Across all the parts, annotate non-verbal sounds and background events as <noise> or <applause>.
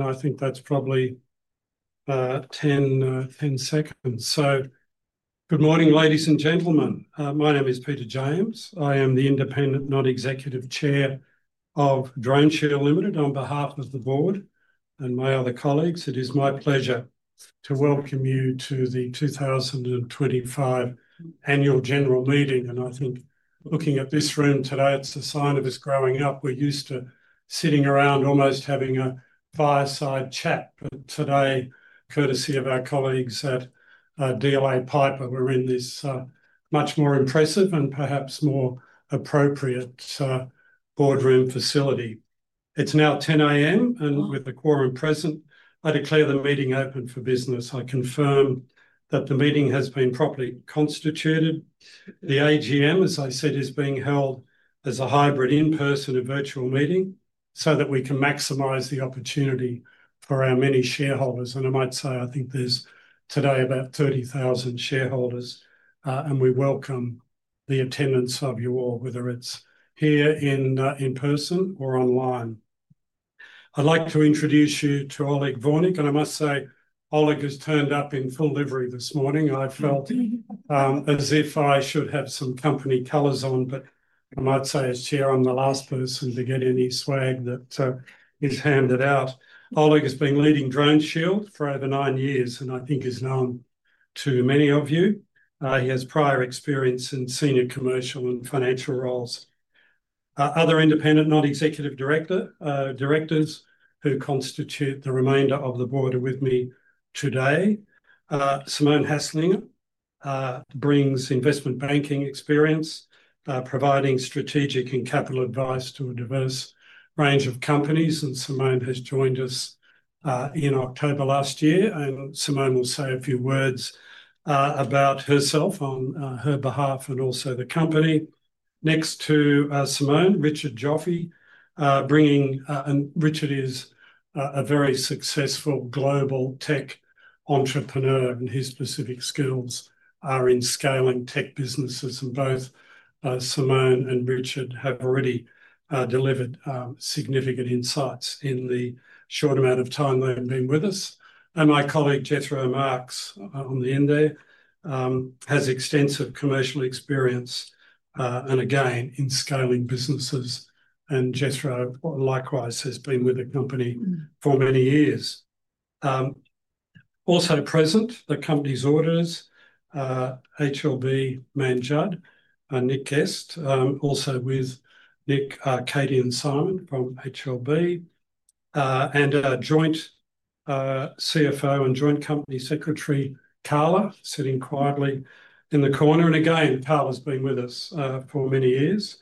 I think that's probably 10 seconds. Good morning, ladies and gentlemen. My name is Peter James. I am the independent non-executive Chair of DroneShield Limited. On behalf of the board and my other colleagues, it is my pleasure to welcome you to the 2025 annual general meeting. I think looking at this room today, it's a sign of us growing up. We're used to sitting around, almost having a fireside chat. Today, courtesy of our colleagues at DLA Piper, we're in this much more impressive and perhaps more appropriate boardroom facility. It is now 10:00 A.M., and with the quorum present, I declare the meeting open for business. I confirm that the meeting has been properly constituted. The AGM, as I said, is being held as a hybrid, in-person and virtual meeting so that we can maximize the opportunity for our many shareholders. I might say, I think there's today about 30,000 shareholders, and we welcome the attendance of you all, whether it's here in person or online. I'd like to introduce you to Oleg Vornik, and I must say, Oleg has turned up in full livery this morning. I felt as if I should have some company colors on, but I might say as Chair, I'm the last person to get any swag that is handed out. Oleg has been leading DroneShield for over nine years, and I think is known to many of you. He has prior experience in senior commercial and financial roles. Other independent, not executive, directors who constitute the remainder of the board are with me today. Simone Haslinger brings investment banking experience, providing strategic and capital advice to a diverse range of companies. Simone has joined us in October last year. Simone will say a few words about herself on her behalf and also the company. Next to Simone, Richard Joffe, bringing Richard is a very successful global tech entrepreneur, and his specific skills are in scaling tech businesses. Both Simone and Richard have already delivered significant insights in the short amount of time they've been with us. My colleague, Jethro Marks, on the end there, has extensive commercial experience and again, in scaling businesses. Jethro likewise has been with the company for many years. Also present, the company's auditors, HLB Mann Judd, and Nick Guest, also with Nick, Katie, and Simon from HLB, and our joint CFO and joint company secretary, Carla, sitting quietly in the corner. Carla's been with us for many years.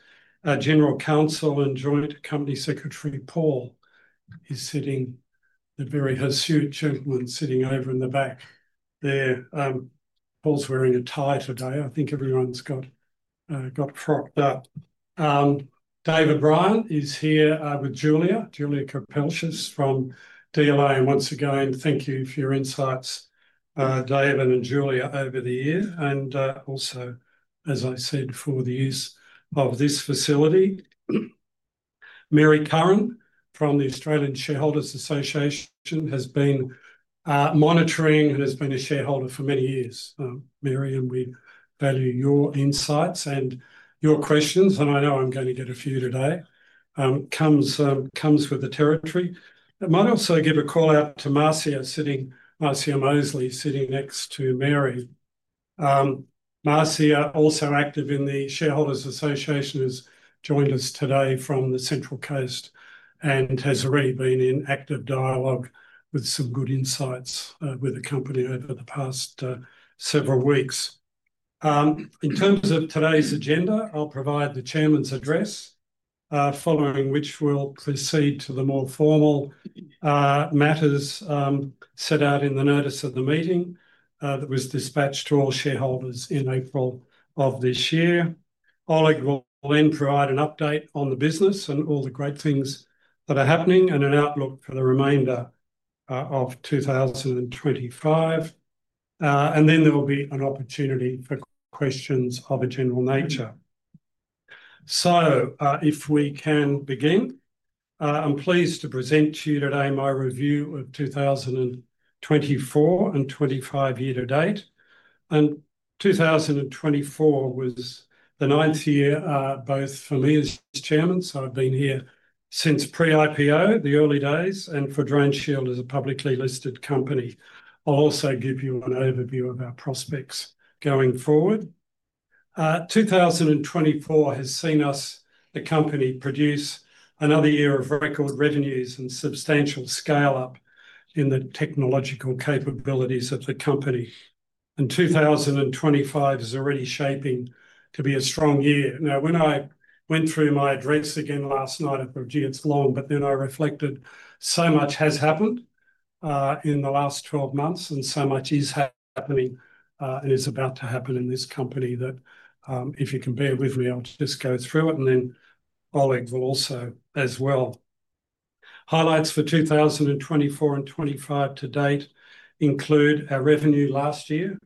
General Counsel and joint company secretary, Paul, is sitting, the very hirsute gentleman sitting over in the back there. Paul's wearing a tie today. I think everyone's got propped up. David Bryan is here with Julia, Julia Caccavo from DLA. Once again, thank you for your insights, David and Julia, over the years. Also, as I said, for the use of this facility. Mary Curran from the Australian Shareholders Association has been monitoring and has been a shareholder for many years. Mary, we value your insights and your questions. I know I'm going to get a few today. Comes with the territory. I might also give a call out to Marcia sitting, Marcia Moseley sitting next to Mary. Marcia, also active in the Shareholders Association, has joined us today from the Central Coast and has already been in active dialogue with some good insights with the company over the past several weeks. In terms of today's agenda, I'll provide the Chairman's address, following which we'll proceed to the more formal matters set out in the notice of the meeting that was dispatched to all shareholders in April of this year. Oleg will then provide an update on the business and all the great things that are happening and an outlook for the remainder of 2025. There will be an opportunity for questions of a general nature. If we can begin, I'm pleased to present to you today my review of 2024 and 2025 year to date. 2024 was the ninth year both for me as Chairman. I've been here since pre-IPO, the early days, and for DroneShield as a publicly listed company. I'll also give you an overview of our prospects going forward. 2024 has seen us, the company, produce another year of record revenues and substantial scale-up in the technological capabilities of the company. 2025 is already shaping to be a strong year. Now, when I went through my address again last night, I thought, "Gee, it's long," but then I reflected, "So much has happened in the last 12 months, and so much is happening and is about to happen in this company that if you can bear with me, I'll just go through it." Oleg will also as well. Highlights for 2024 and 2025 to date include our revenue last year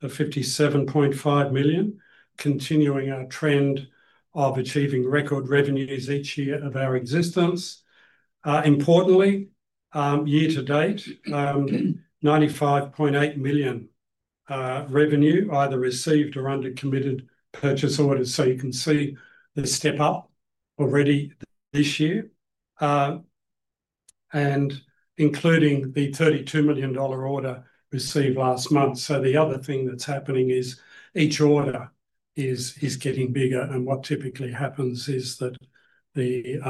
of 57.5 million, continuing our trend of achieving record revenues each year of our existence. Importantly, year to date, 95.8 million revenue, either received or under committed purchase orders. You can see the step up already this year, including the 32 million dollar order received last month. The other thing that's happening is each order is getting bigger. What typically happens is that the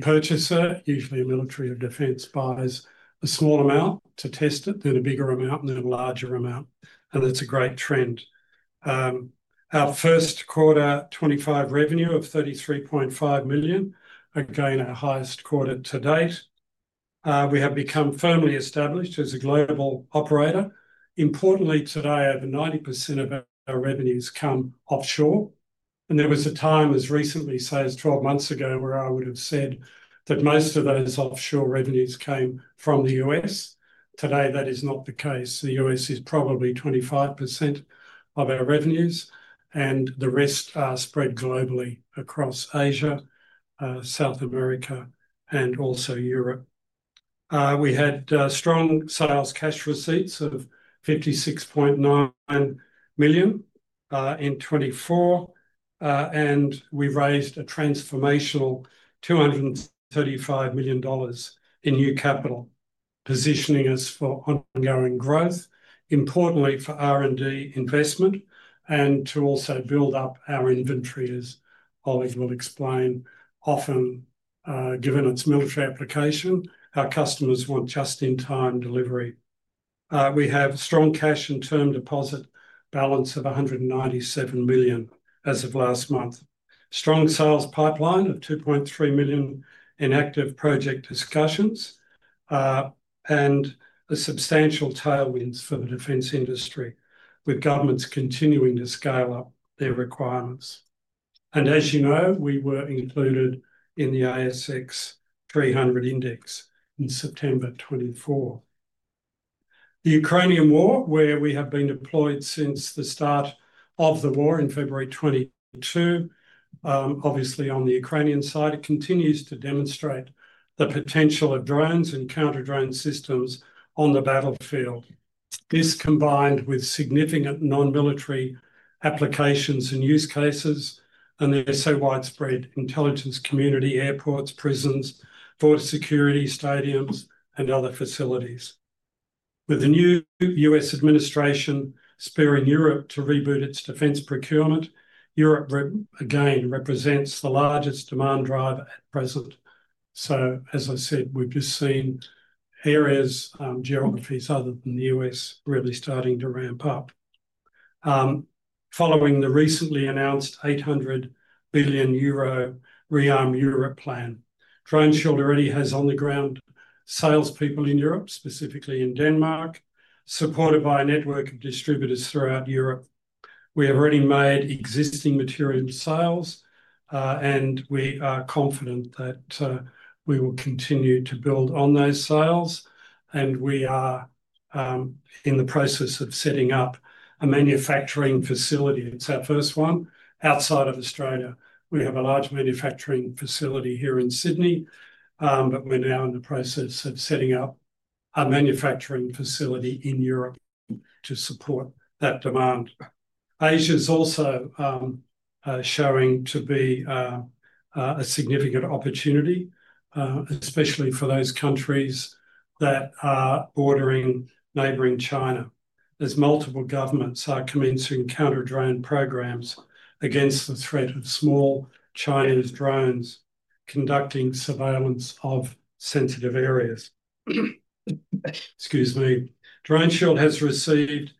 purchaser, usually a military or defense, buys a small amount to test it, then a bigger amount, and then a larger amount. That's a great trend. Our first quarter 2025 revenue of 33.5 million, again, our highest quarter to date. We have become firmly established as a global operator. Importantly, today, over 90% of our revenues come offshore. There was a time as recently, say, as 12 months ago, where I would have said that most of those offshore revenues came from the U.S. Today, that is not the case. The U.S. is probably 25% of our revenues, and the rest are spread globally across Asia, South America, and also Europe. We had strong sales cash receipts of 56.9 million in 2024, and we raised a transformational 235 million dollars in new capital, positioning us for ongoing growth, importantly for R&D investment, and to also build up our inventory, as Oleg will explain, often given its military application, our customers want just-in-time delivery. We have strong cash and term deposit balance of 197 million as of last month, a strong sales pipeline of 2.3 million in active project discussions, and substantial tailwinds for the defense industry, with governments continuing to scale up their requirements. As you know, we were included in the ASX 300 index in September 2024. The Ukrainian war, where we have been deployed since the start of the war in February 2022, obviously on the Ukrainian side, continues to demonstrate the potential of drones and counter-drone systems on the battlefield. This, combined with significant non-military applications and use cases, and the so widespread intelligence community, airports, prisons, border security, stadiums, and other facilities. With the new U.S. administration spearing Europe to reboot its defense procurement, Europe again represents the largest demand driver at present. As I said, we've just seen areas, geographies other than the U.S., really starting to ramp up. Following the recently announced 800 billion euro rearm Europe plan, DroneShield already has on-the-ground salespeople in Europe, specifically in Denmark, supported by a network of distributors throughout Europe. We have already made existing material sales, and we are confident that we will continue to build on those sales. We are in the process of setting up a manufacturing facility. It's our first one outside of Australia. We have a large manufacturing facility here in Sydney, but we're now in the process of setting up a manufacturing facility in Europe to support that demand. Asia is also showing to be a significant opportunity, especially for those countries that are bordering neighboring China, as multiple governments are commencing counter-drone programs against the threat of small Chinese drones conducting surveillance of sensitive areas. Excuse me. DroneShield has received,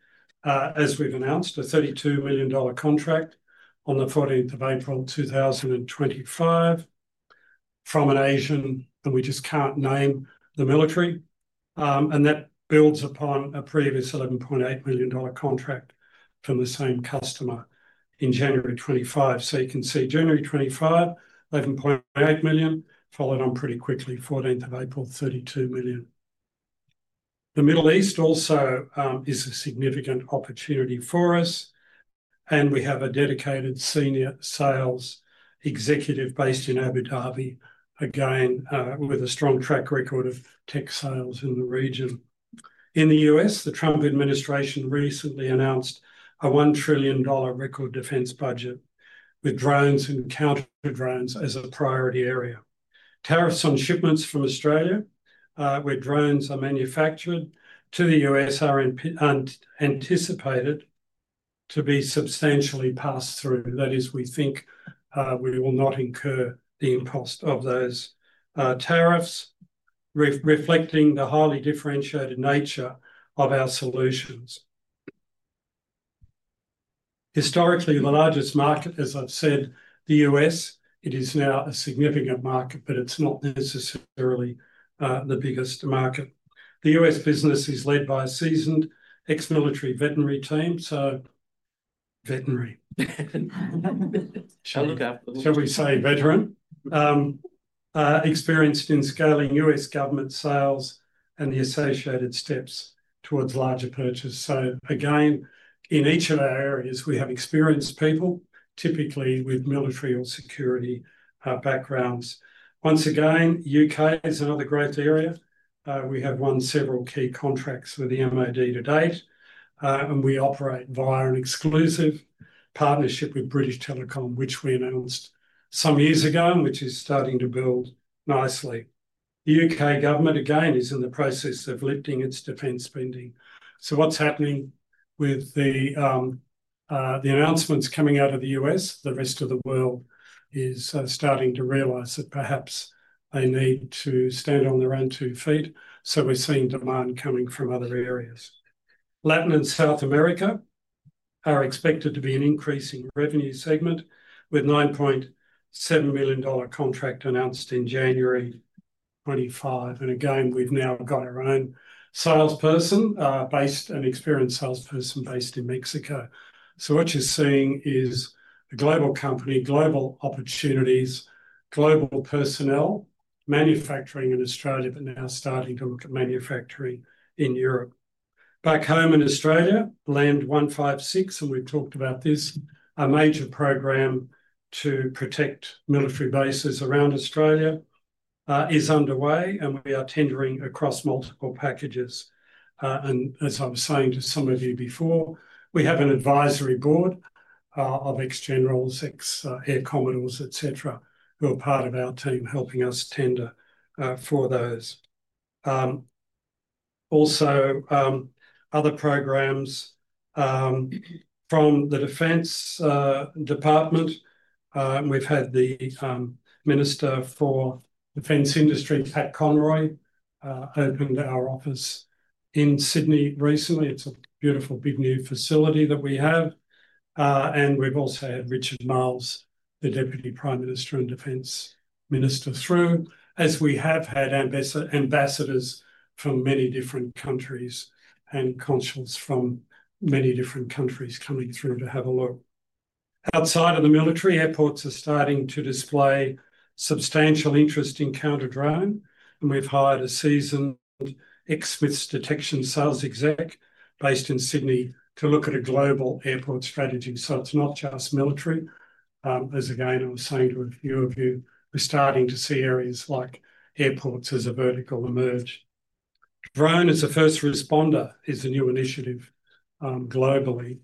as we've announced, an 32 million dollar contract on the 14th of April 2025 from an Asian, and we just can't name the military. That builds upon a previous 11.8 million dollar contract from the same customer in January 2025. You can see January 2025, 11.8 million, followed on pretty quickly, 14th of April, 32 million. The Middle East also is a significant opportunity for us, and we have a dedicated senior sales executive based in Abu Dhabi, again with a strong track record of tech sales in the region. In the U.S., the Trump administration recently announced a $1 trillion record defense budget with drones and counter-drones as a priority area. Tariffs on shipments from Australia, where drones are manufactured to the U.S., are anticipated to be substantially passed through. That is, we think we will not incur the impost of those tariffs, reflecting the highly differentiated nature of our solutions. Historically, the largest market, as I've said, the U.S., it is now a significant market, but it's not necessarily the biggest market. The U.S. business is led by a seasoned ex-military veterinary team. So, veterinary. Shall we say veteran, experienced in scaling U.S. government sales and the associated steps towards larger purchase. So again, in each of our areas, we have experienced people, typically with military or security backgrounds. Once again, U.K. is another growth area. We have won several key contracts with the MOD to date, and we operate via an exclusive partnership with British Telecom, which we announced some years ago and which is starting to build nicely. The U.K. government, again, is in the process of lifting its defense spending. What's happening with the announcements coming out of the U.S., the rest of the world is starting to realize that perhaps they need to stand on their own two feet. We're seeing demand coming from other areas. Latin and South America are expected to be an increasing revenue segment with $9.7 million contract announced in January 2025. Again, we've now got our own salesperson, an experienced salesperson based in Mexico. What you're seeing is a global company, global opportunities, global personnel, manufacturing in Australia, but now starting to look at manufacturing in Europe. Back home in Australia, Land 156, and we've talked about this, a major program to protect military bases around Australia is underway, and we are tendering across multiple packages. As I was saying to some of you before, we have an advisory board of ex-generals, ex-air commodores, etc., who are part of our team helping us tender for those. Also, other programs from the Department of Defence. We've had the Minister for Defense Industry, Pat Conroy, open our office in Sydney recently. It's a beautiful big new facility that we have. We've also had Richard Marles, the Deputy Prime Minister and Defense Minister, through, as we have had ambassadors from many different countries and consuls from many different countries coming through to have a look. Outside of the military, airports are starting to display substantial interest in counter-drone. We have hired a seasoned ex-Smiths Detection sales exec based in Sydney to look at a global airport strategy. It is not just military. As again, I was saying to a few of you, we are starting to see areas like airports as a vertical emerge. Drone as a first responder is a new initiative globally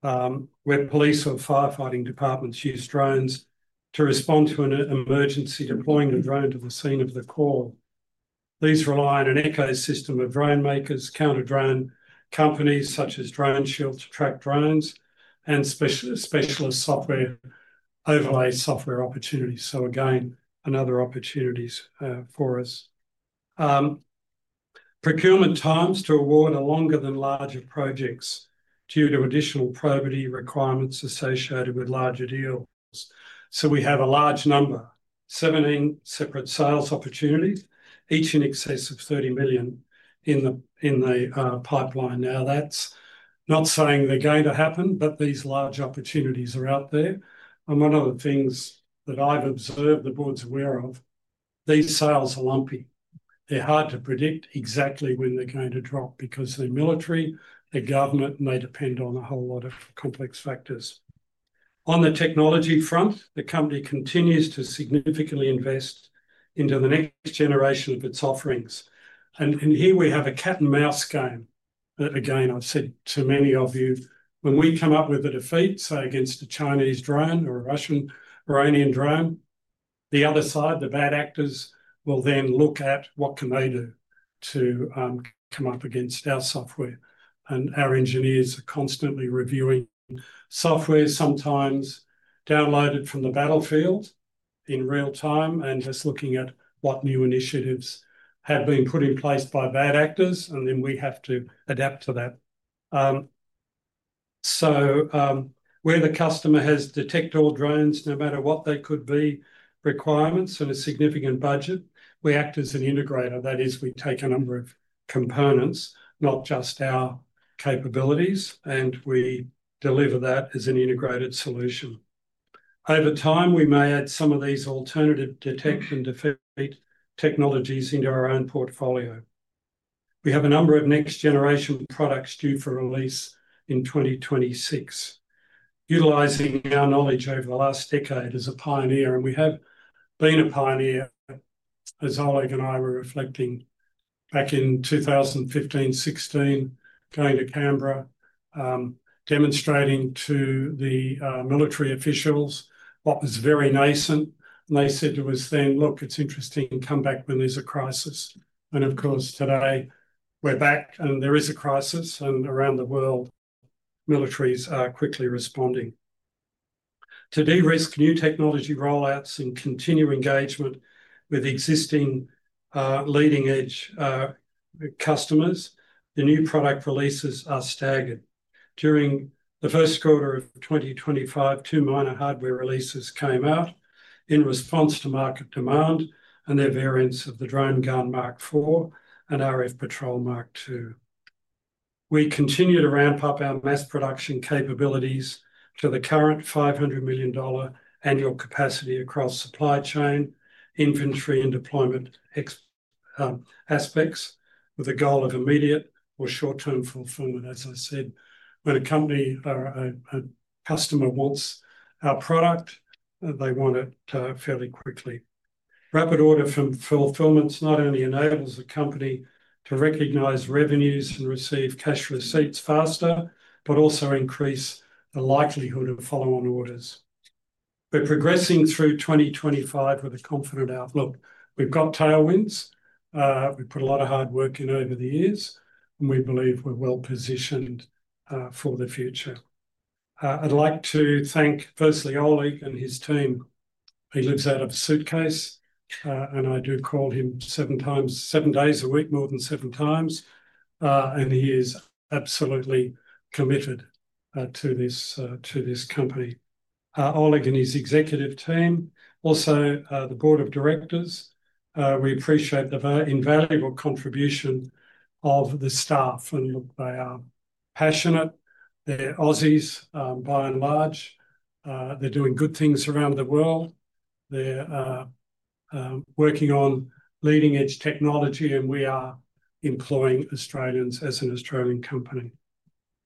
where police or firefighting departments use drones to respond to an emergency, deploying a drone to the scene of the call. These rely on an ecosystem of drone makers, counter-drone companies such as DroneShield to track drones, and specialist software overlay software opportunities. Again, another opportunity for us. Procurement times to award are longer than larger projects due to additional probity requirements associated with larger deals. We have a large number, 17 separate sales opportunities, each in excess of 30 million in the pipeline. Now, that's not saying they're going to happen, but these large opportunities are out there. One of the things that I've observed, the board's aware of, these sales are lumpy. They're hard to predict exactly when they're going to drop because they're military, they're government, and they depend on a whole lot of complex factors. On the technology front, the company continues to significantly invest into the next generation of its offerings. Here we have a cat-and-mouse game. Again, I've said to many of you, when we come up with a defeat, say, against a Chinese drone or a Russian Iranian drone, the other side, the bad actors, will then look at what can they do to come up against our software. Our engineers are constantly reviewing software, sometimes downloaded from the battlefield in real time, and just looking at what new initiatives have been put in place by bad actors, and then we have to adapt to that. Where the customer has detector drones, no matter what they could be requirements and a significant budget, we act as an integrator. That is, we take a number of components, not just our capabilities, and we deliver that as an integrated solution. Over time, we may add some of these alternative detect and defeat technologies into our own portfolio. We have a number of next-generation products due for release in 2026, utilizing our knowledge over the last decade as a pioneer. We have been a pioneer, as Oleg and I were reflecting back in 2015, 2016, going to Canberra, demonstrating to the military officials what was very nascent. They said to us then, "Look, it's interesting. Come back when there's a crisis." Of course, today, we're back, and there is a crisis. Around the world, militaries are quickly responding. To de-risk new technology rollouts and continue engagement with existing leading-edge customers, the new product releases are staggered. During the first quarter of 2025, two minor hardware releases came out in response to market demand, and they're variants of the DroneGun Mk4 and RfPatrol MkII. We continue to ramp up our mass production capabilities to the current 500 million dollar annual capacity across supply chain, inventory, and deployment aspects with a goal of immediate or short-term fulfillment. As I said, when a company or a customer wants our product, they want it fairly quickly. Rapid order fulfillments not only enables a company to recognize revenues and receive cash receipts faster, but also increase the likelihood of follow-on orders. We're progressing through 2025 with a confident outlook. We've got tailwinds. We've put a lot of hard work in over the years, and we believe we're well positioned for the future. I'd like to thank, firstly, Oleg and his team. He lives out of a suitcase, and I do call him seven times, seven days a week, more than 7x. He is absolutely committed to this company. Oleg and his executive team, also the board of directors, we appreciate the invaluable contribution of the staff. Look, they are passionate. They're Aussies, by and large. They're doing good things around the world. They're working on leading-edge technology, and we are employing Australians as an Australian company.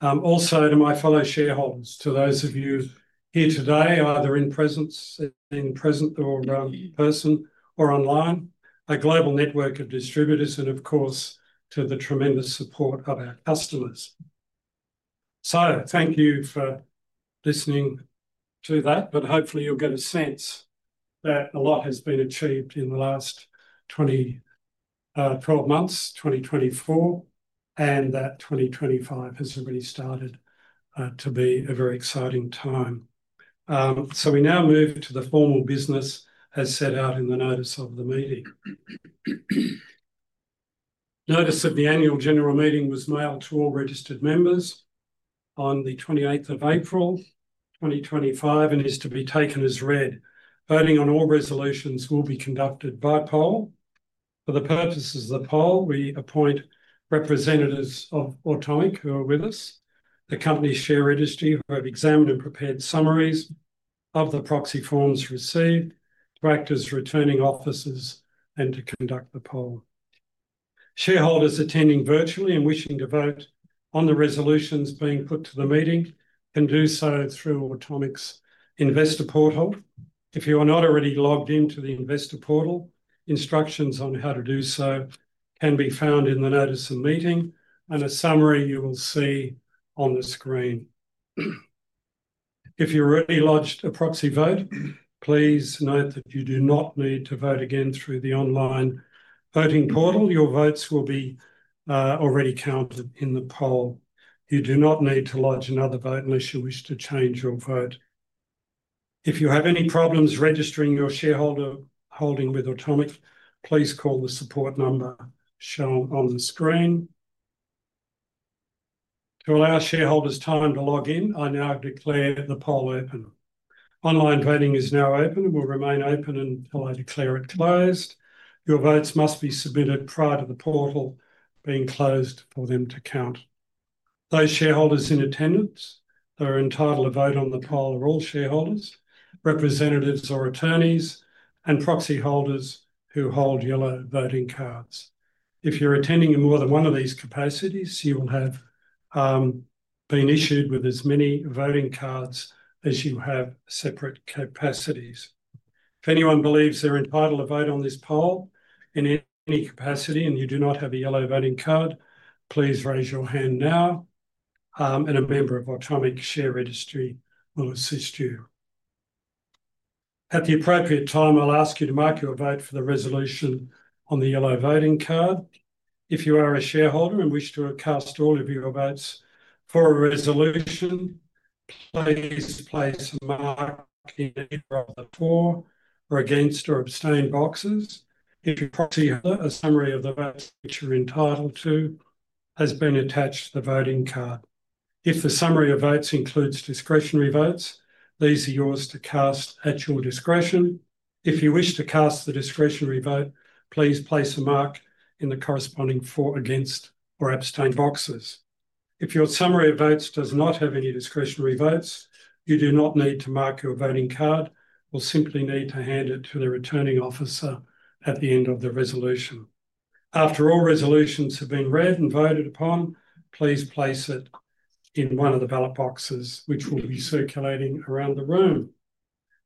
Also, to my fellow shareholders, to those of you here today, either in presence, in person, or online, a global network of distributors, and of course, to the tremendous support of our customers. Thank you for listening to that, but hopefully you'll get a sense that a lot has been achieved in the last 12 months, 2024, and that 2025 has already started to be a very exciting time. We now move to the formal business as set out in the notice of the meeting. Notice of the annual general meeting was mailed to all registered members on the 28th of April 2025 and is to be taken as read. Voting on all resolutions will be conducted by poll. For the purposes of the poll, we appoint representatives of Automic who are with us, the company's share registry who have examined and prepared summaries of the proxy forms received, directors returning offices, and to conduct the poll. Shareholders attending virtually and wishing to vote on the resolutions being put to the meeting can do so through Automic's investor portal. If you are not already logged into the investor portal, instructions on how to do so can be found in the notice of meeting and a summary you will see on the screen. If you already lodged a proxy vote, please note that you do not need to vote again through the online voting portal. Your votes will be already counted in the poll. You do not need to lodge another vote unless you wish to change your vote. If you have any problems registering your shareholder holding with Automic, please call the support number shown on the screen. To allow shareholders time to log in, I now declare the poll open. Online voting is now open and will remain open until I declare it closed. Your votes must be submitted prior to the portal being closed for them to count. Those shareholders in attendance that are entitled to vote on the poll are all shareholders, representatives or attorneys, and proxy holders who hold yellow voting cards. If you're attending in more than one of these capacities, you will have been issued with as many voting cards as you have separate capacities. If anyone believes they're entitled to vote on this poll in any capacity and you do not have a yellow voting card, please raise your hand now, and a member of Automic share registry will assist you. At the appropriate time, I'll ask you to mark your vote for the resolution on the yellow voting card. If you are a shareholder and wish to cast all of your votes for a resolution, please place a mark in either of the for, against, or abstain boxes. If you proxy, a summary of the votes which you're entitled to has been attached to the voting card. If the summary of votes includes discretionary votes, these are yours to cast at your discretion. If you wish to cast the discretionary vote, please place a mark in the corresponding for, against, or abstain boxes. If your summary of votes does not have any discretionary votes, you do not need to mark your voting card. You'll simply need to hand it to the returning officer at the end of the resolution. After all resolutions have been read and voted upon, please place it in one of the ballot boxes, which will be circulating around the room.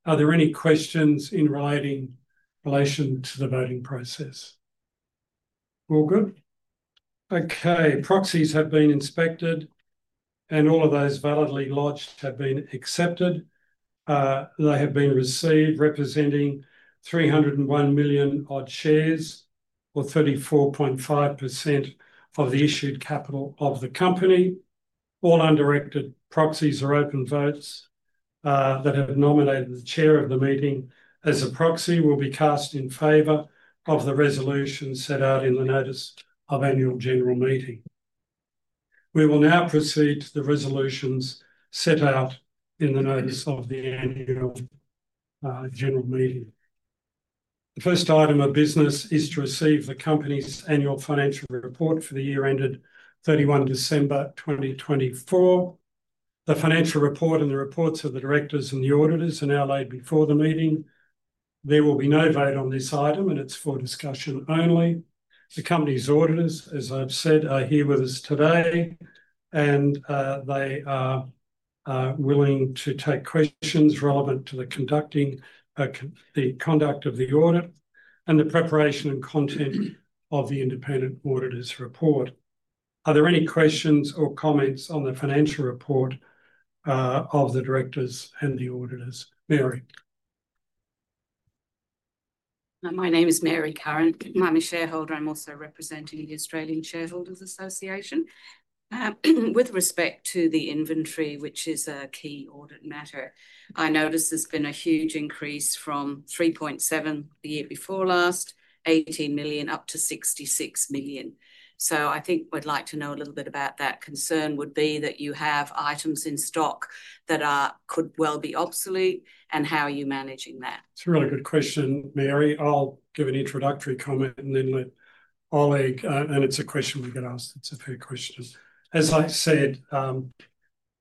Are there any questions in relation to the voting process? All good? Okay. Proxies have been inspected, and all of those validly lodged have been accepted. They have been received representing 301 million odd shares or 34.5% of the issued capital of the company. All undirected proxies or open votes that have nominated the chair of the meeting as a proxy will be cast in favor of the resolutions set out in the notice of annual general meeting. We will now proceed to the resolutions set out in the notice of the annual general meeting. The first item of business is to receive the company's annual financial report for the year ended 31 December 2024. The financial report and the reports of the directors and the auditors are now laid before the meeting. There will be no vote on this item, and it's for discussion only. The company's auditors, as I've said, are here with us today, and they are willing to take questions relevant to the conduct of the audit and the preparation and content of the independent auditor's report. Are there any questions or comments on the financial report of the directors and the auditors? Mary? My name is Mary Curran. I'm a shareholder. I'm also representing the Australian Shareholders Association. With respect to the inventory, which is a key audit matter, I notice there's been a huge increase from 3.7 million the year before last, 18 million, up to 66 million. So I think we'd like to know a little bit about that. Concern would be that you have items in stock that could well be obsolete, and how are you managing that? It's a really good question, Mary. I'll give an introductory comment and then let Oleg, and it's a question we get asked. It's a fair question. As I said,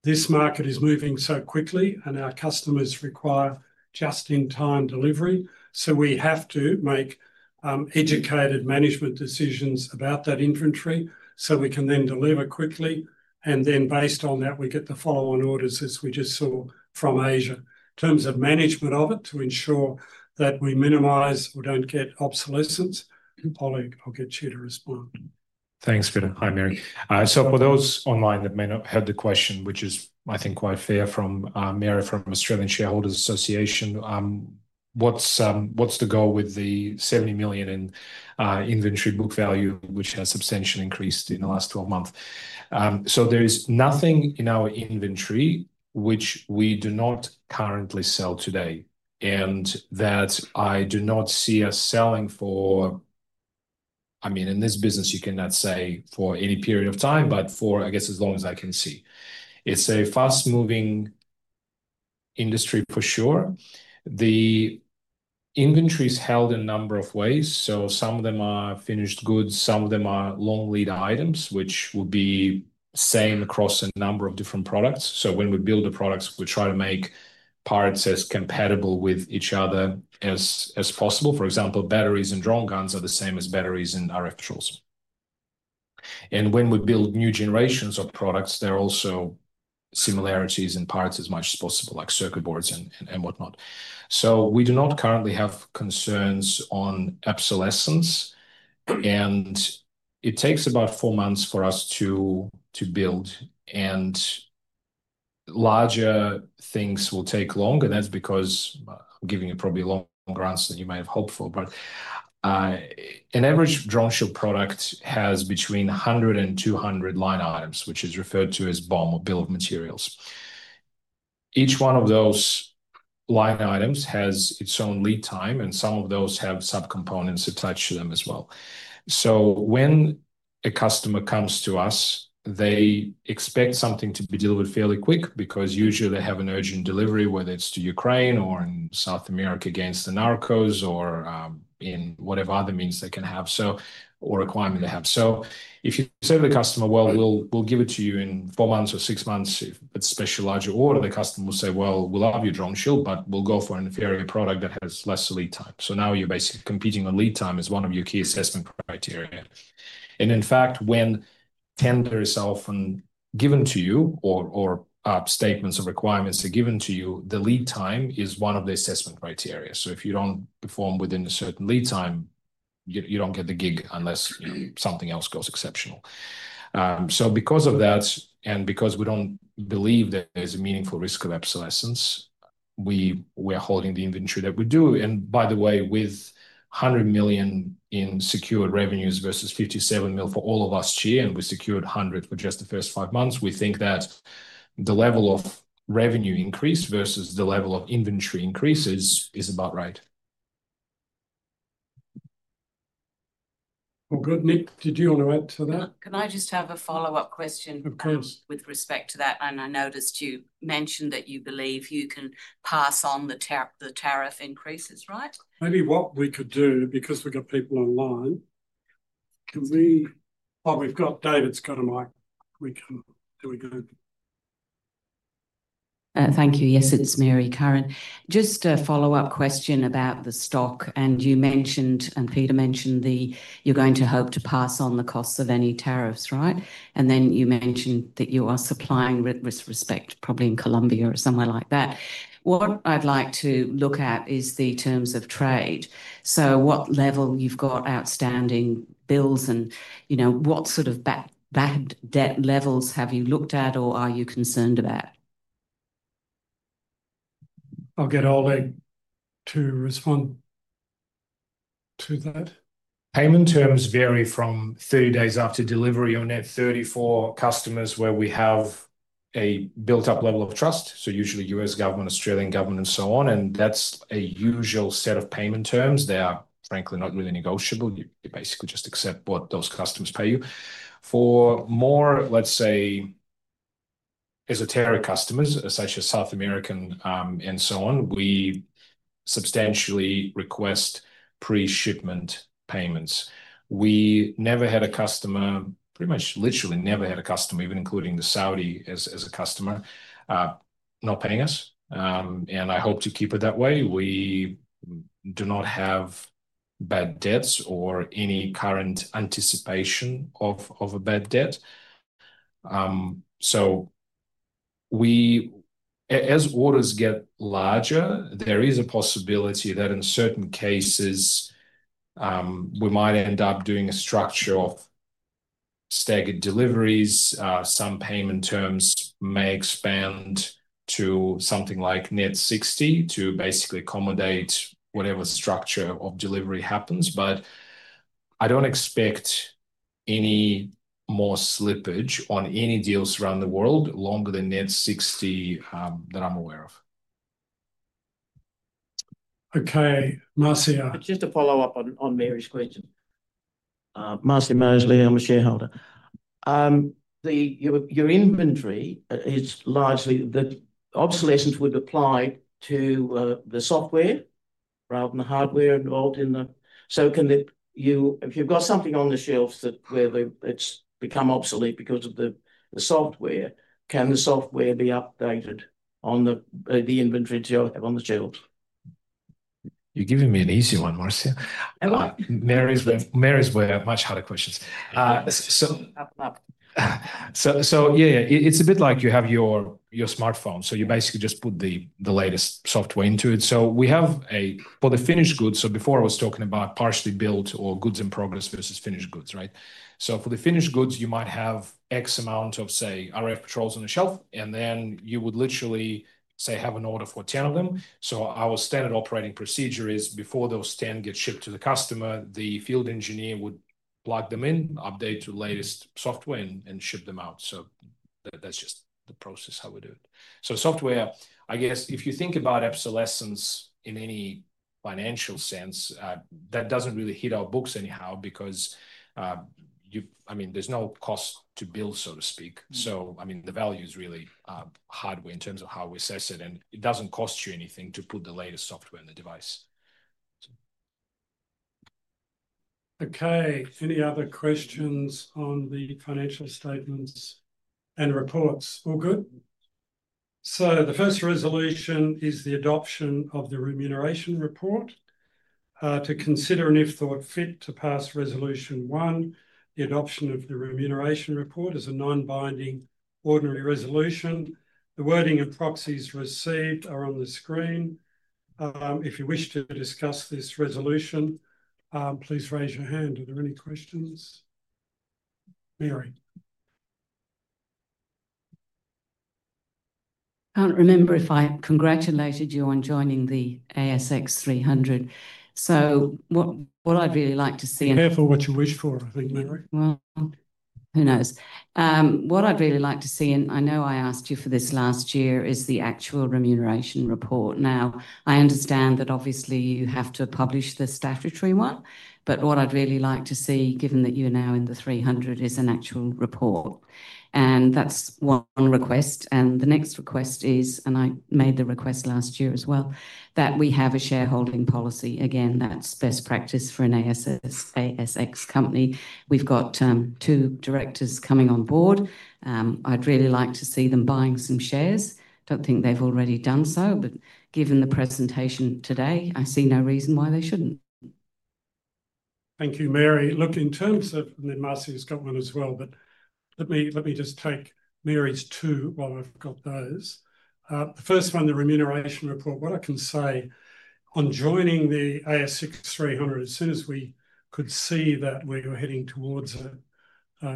this market is moving so quickly, and our customers require just-in-time delivery. We have to make educated management decisions about that inventory so we can then deliver quickly. Based on that, we get the follow-on orders, as we just saw from Asia, in terms of management of it to ensure that we minimize or don't get obsolescence. Oleg, I'll get you to respond. Thanks, Peter. Hi, Mary. For those online that may not have the question, which is, I think, quite fair from Mary from Australian Shareholders Association, what's the goal with the 70 million in inventory book value, which has substantially increased in the last 12 months? There is nothing in our inventory which we do not currently sell today, and that I do not see us selling for, I mean, in this business, you cannot say for any period of time, but for, I guess, as long as I can see. It's a fast-moving industry for sure. The inventory is held in a number of ways. Some of them are finished goods. Some of them are long-lead items, which will be the same across a number of different products. When we build the products, we try to make parts as compatible with each other as possible. For example, batteries and drone guns are the same as batteries and RF patrols. When we build new generations of products, there are also similarities in parts as much as possible, like circuit boards and whatnot. We do not currently have concerns on obsolescence. It takes about four months for us to build. Larger things will take longer. That's because I'm giving you probably longer answers than you might have hoped for. An average DroneShield product has between 100 and 200 line items, which is referred to as BOM or bill of materials. Each one of those line items has its own lead time, and some of those have subcomponents attached to them as well. When a customer comes to us, they expect something to be delivered fairly quick because usually they have an urgent delivery, whether it's to Ukraine or in South America against the Narcos or in whatever other means they can have or requirement they have. If you say to the customer, "Well, we'll give it to you in four months or six months," but especially larger order, the customer will say, "We love your DroneShield, but we'll go for an inferior product that has less lead time." Now you're basically competing on lead time as one of your key assessment criteria. In fact, when tender is often given to you or statements of requirements are given to you, the lead time is one of the assessment criteria. If you do not perform within a certain lead time, you do not get the gig unless something else goes exceptional. Because of that and because we do not believe there is a meaningful risk of obsolescence, we are holding the inventory that we do. By the way, with 100 in secured revenues versus 57 million for all of us here, and we secured 100 million for just the first five months, we think that the level of revenue increase versus the level of inventory increases is about right. All good? Nick, did you want to add to that? Can I just have a follow-up question? Of course. With respect to that, and I noticed you mentioned that you believe you can pass on the tariff increases, right? Maybe what we could do, because we have people online, can we—oh, we have David's got a mic. We can—here we go. Thank you. Yes, it's Mary Curran. Just a follow-up question about the stock. You mentioned, and Peter mentioned, you're going to hope to pass on the costs of any tariffs, right? You mentioned that you are supplying with respect probably in Colombia or somewhere like that. What I'd like to look at is the terms of trade. What level you've got outstanding bills and what sort of bad debt levels have you looked at or are you concerned about? I'll get Oleg to respond to that. Payment terms vary from 30 days after delivery. You'll need for customers where we have a built-up level of trust. Usually U.S. government, Australian government, and so on. That's a usual set of payment terms. They are, frankly, not really negotiable. You basically just accept what those customers pay you. For more, let's say, esoteric customers such as South American and so on, we substantially request pre-shipment payments. We never had a customer, pretty much literally never had a customer, even including the Saudi, as a customer not paying us. I hope to keep it that way. We do not have bad debts or any current anticipation of a bad debt. As orders get larger, there is a possibility that in certain cases, we might end up doing a structure of staggered deliveries. Some payment terms may expand to something like net 60 to basically accommodate whatever structure of delivery happens. I do not expect any more slippage on any deals around the world longer than net 60 that I am aware of. Okay. Marcia? Just a follow-up on Mary's question. Marcia Moseley, I am a shareholder. Your inventory is largely the obsolescence would apply to the software rather than the hardware involved in the—so can you, if you've got something on the shelves where it's become obsolete because of the software, can the software be updated on the inventory that you have on the shelves? You're giving me an easy one, Marcia. Mary's much harder questions. Yeah, it's a bit like you have your smartphone. You basically just put the latest software into it. We have a—for the finished goods, before I was talking about partially built or goods in progress versus finished goods, right? For the finished goods, you might have X amount of, say, RfPatrols on the shelf, and then you would literally say have an order for 10 of them. Our standard operating procedure is before those 10 get shipped to the customer, the field engineer would plug them in, update to the latest software, and ship them out. That is just the process how we do it. Software, I guess if you think about obsolescence in any financial sense, that does not really hit our books anyhow because, I mean, there is no cost to build, so to speak. I mean, the value is really hardware in terms of how we assess it, and it does not cost you anything to put the latest software in the device. Okay. Any other questions on the financial statements and reports? All good? The first resolution is the adoption of the remuneration report. To consider and if thought fit to pass resolution one, the adoption of the remuneration report is a non-binding ordinary resolution. The wording and proxies received are on the screen. If you wish to discuss this resolution, please raise your hand. Are there any questions? Mary. I can't remember if I congratulated you on joining the ASX 300. What I'd really like to see— Be careful what you wish for, I think, Mary. Who knows? What I'd really like to see, and I know I asked you for this last year, is the actual remuneration report. I understand that obviously you have to publish the statutory one, but what I'd really like to see, given that you're now in the 300, is an actual report. That's one request. The next request is, and I made the request last year as well, that we have a shareholding policy. Again, that's best practice for an ASX company. We've got two directors coming on board. I'd really like to see them buying some shares. I don't think they've already done so, but given the presentation today, I see no reason why they shouldn't. Thank you, Mary. Look, in terms of—and then Marcia's got one as well, but let me just take Mary's two while I've got those. The first one, the remuneration report, what I can say on joining the ASX 300, as soon as we could see that we were heading towards it,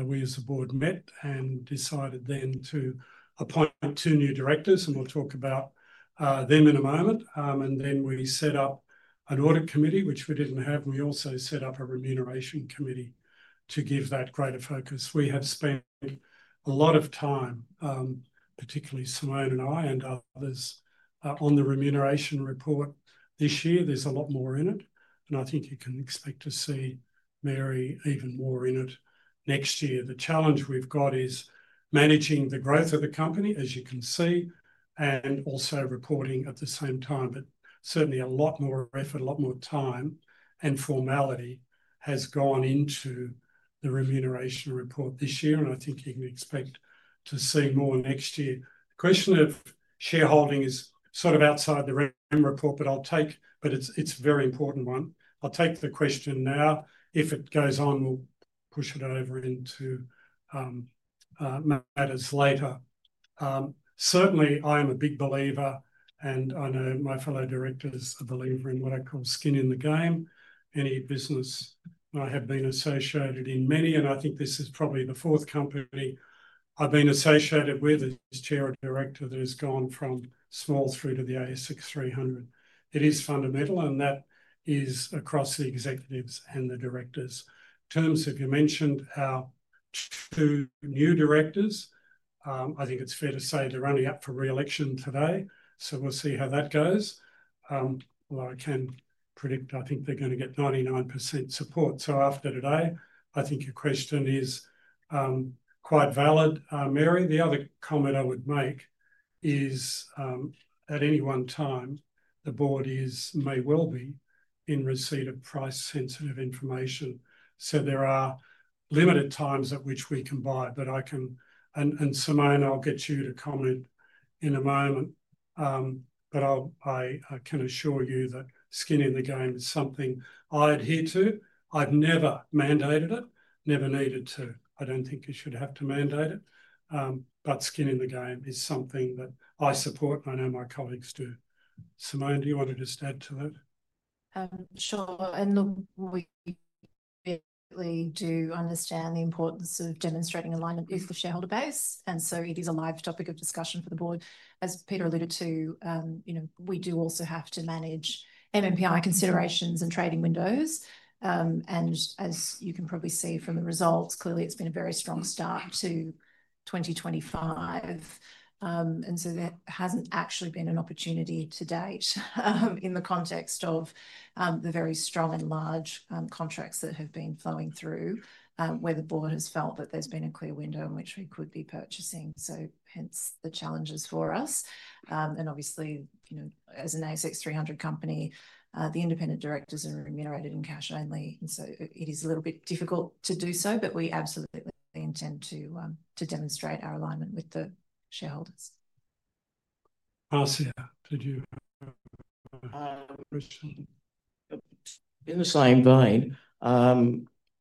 we as a board met and decided then to appoint two new directors, and we'll talk about them in a moment. We set up an audit committee, which we didn't have. We also set up a remuneration committee to give that greater focus. We have spent a lot of time, particularly Simone and I and others, on the remuneration report this year. There's a lot more in it, and I think you can expect to see Mary even more in it next year. The challenge we've got is managing the growth of the company, as you can see, and also reporting at the same time. Certainly, a lot more effort, a lot more time and formality has gone into the remuneration report this year, and I think you can expect to see more next year. The question of shareholding is sort of outside the remuneration report, but it's a very important one. I'll take the question now. If it goes on, we'll push it over into matters later. Certainly, I am a big believer, and I know my fellow directors are believers in what I call skin in the game. Any business, I have been associated in many, and I think this is probably the fourth company I've been associated with as chair and director that has gone from small through to the ASX 300. It is fundamental, and that is across the executives and the directors. Terms, if you mentioned our two new directors, I think it's fair to say they're running up for re-election today. We will see how that goes. Although I can predict, I think they're going to get 99% support. After today, I think your question is quite valid, Mary. The other comment I would make is at any one time, the board may well be in receipt of price-sensitive information. There are limited times at which we can buy, but I can—and Simone, I'll get you to comment in a moment. I can assure you that skin in the game is something I adhere to. I've never mandated it, never needed to. I don't think you should have to mandate it. Skin in the game is something that I support, and I know my colleagues do. Simone, do you want to just add to that? Sure. Look, we do understand the importance of demonstrating alignment with the shareholder base. It is a live topic of discussion for the board. As Peter alluded to, we do also have to manage MPSI considerations and trading windows. As you can probably see from the results, clearly it's been a very strong start to 2025. There has not actually been an opportunity to date in the context of the very strong and large contracts that have been flowing through where the board has felt that there has been a clear window in which we could be purchasing. Hence the challenges for us. Obviously, as an ASX 300 company, the independent directors are remunerated in cash only. It is a little bit difficult to do so, but we absolutely intend to demonstrate our alignment with the shareholders. Marcia, did you have a question? In the same vein,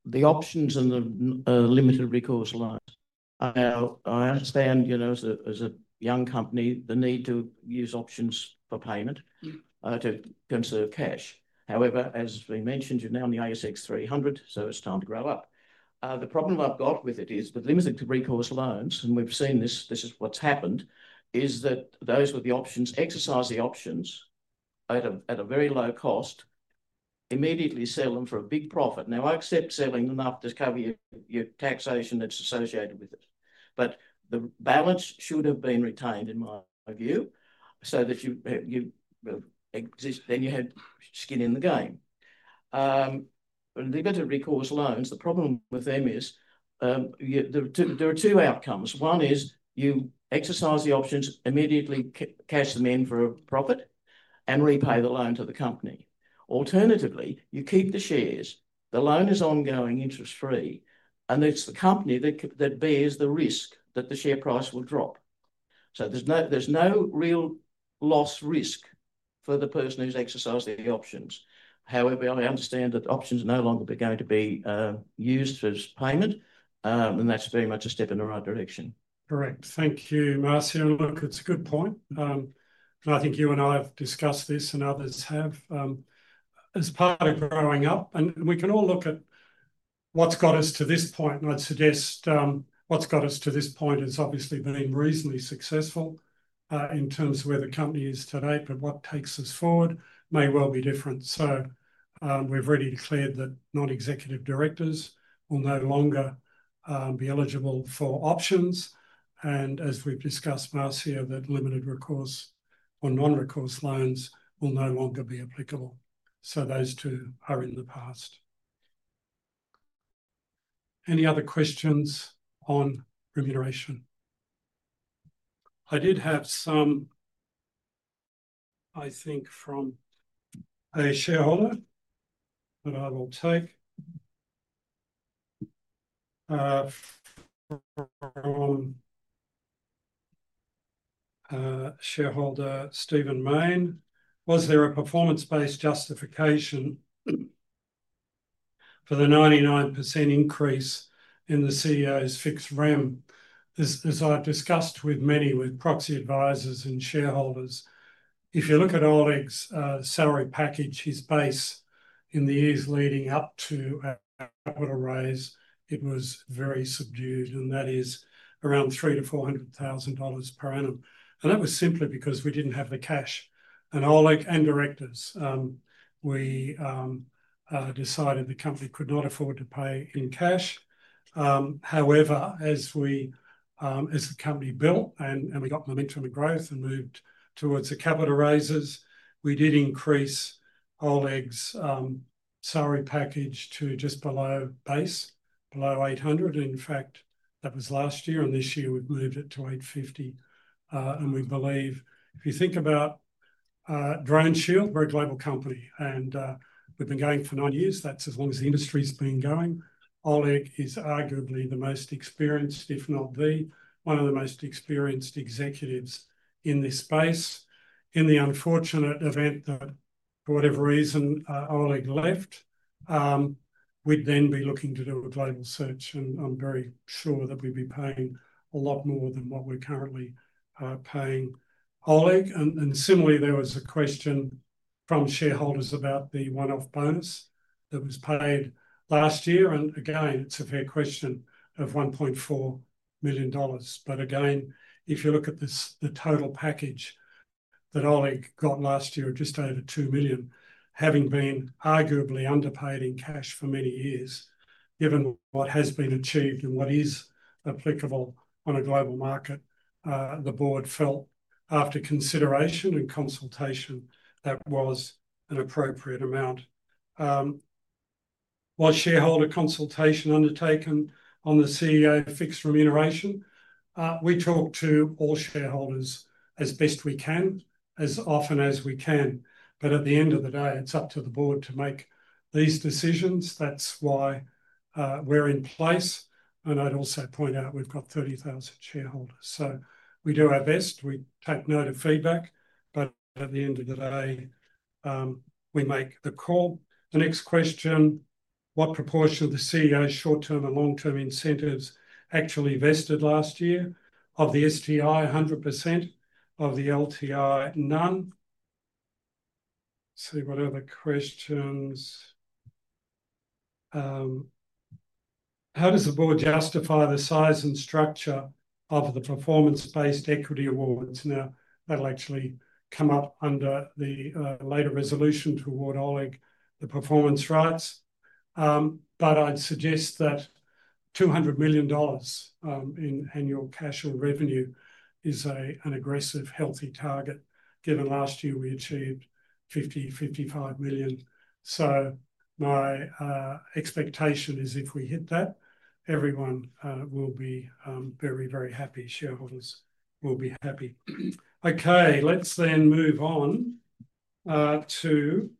the options and the limited recourse lines. I understand as a young company the need to use options for payment to consider cash. However, as we mentioned, you are now in the ASX 300, so it is time to grow up. The problem I've got with it is with limited recourse loans, and we've seen this—this is what's happened—is that those with the options exercise the options at a very low cost, immediately sell them for a big profit. Now, I accept selling them after covering your taxation that's associated with it. The balance should have been retained in my view so that you exist, then you have skin in the game. Limited recourse loans, the problem with them is there are two outcomes. One is you exercise the options, immediately cash them in for a profit and repay the loan to the company. Alternatively, you keep the shares. The loan is ongoing, interest-free, and it's the company that bears the risk that the share price will drop. There is no real loss risk for the person who's exercised the options. However, I understand that options are no longer going to be used for payment, and that's very much a step in the right direction. Correct. Thank you, Marcia. Look, it's a good point. I think you and I have discussed this and others have as part of growing up. We can all look at what's got us to this point. I'd suggest what's got us to this point has obviously been reasonably successful in terms of where the company is today, but what takes us forward may well be different. We've already declared that non-executive directors will no longer be eligible for options. As we've discussed, Marcia, that limited recourse or non-recourse loans will no longer be applicable. Those two are in the past. Any other questions on remuneration? I did have some, I think, from a shareholder, but I will take. From shareholder Stephen Main, was there a performance-based justification for the 99% increase in the CEO's fixed revenue? As I've discussed with many, with proxy advisors and shareholders, if you look at Oleg's salary package, his base in the years leading up to our raise, it was very subdued, and that is around 300,000-400,000 dollars per annum. That was simply because we didn't have the cash. Oleg and directors, we decided the company could not afford to pay in cash. However, as the company built and we got momentum and growth and moved towards the capital raisers, we did increase Oleg's salary package to just below base, below 800,000. In fact, that was last year, and this year we've moved it to 850,000. We believe, if you think about DroneShield, we're a global company, and we've been going for nine years. That's as long as the industry's been going. Oleg is arguably the most experienced, if not one of the most experienced executives in this space. In the unfortunate event that, for whatever reason, Oleg left, we'd then be looking to do a global search, and I'm very sure that we'd be paying a lot more than what we're currently paying Oleg. Similarly, there was a question from shareholders about the one-off bonus that was paid last year. Again, it's a fair question of 1.4 million dollars. Again, if you look at the total package that Oleg got last year, just over 2 million, having been arguably underpaid in cash for many years, given what has been achieved and what is applicable on a global market, the board felt, after consideration and consultation, that was an appropriate amount. Was shareholder consultation undertaken on the CEO fixed remuneration? We talk to all shareholders as best we can, as often as we can. At the end of the day, it's up to the board to make these decisions. That's why we're in place. I'd also point out we've got 30,000 shareholders. We do our best. We take note of feedback, but at the end of the day, we make the call. The next question, what proportion of the CEO's short-term and long-term incentives actually vested last year? Of the STI, 100%. Of the LTI, none. Let's see what other questions. How does the board justify the size and structure of the performance-based equity awards? That'll actually come up under the later resolution toward Oleg, the performance rights. I'd suggest that 200 million dollars in annual cash or revenue is an aggressive, healthy target. Given last year, we achieved 50-55 million. My expectation is if we hit that, everyone will be very, very happy. Shareholders will be happy. Okay, let's then move on to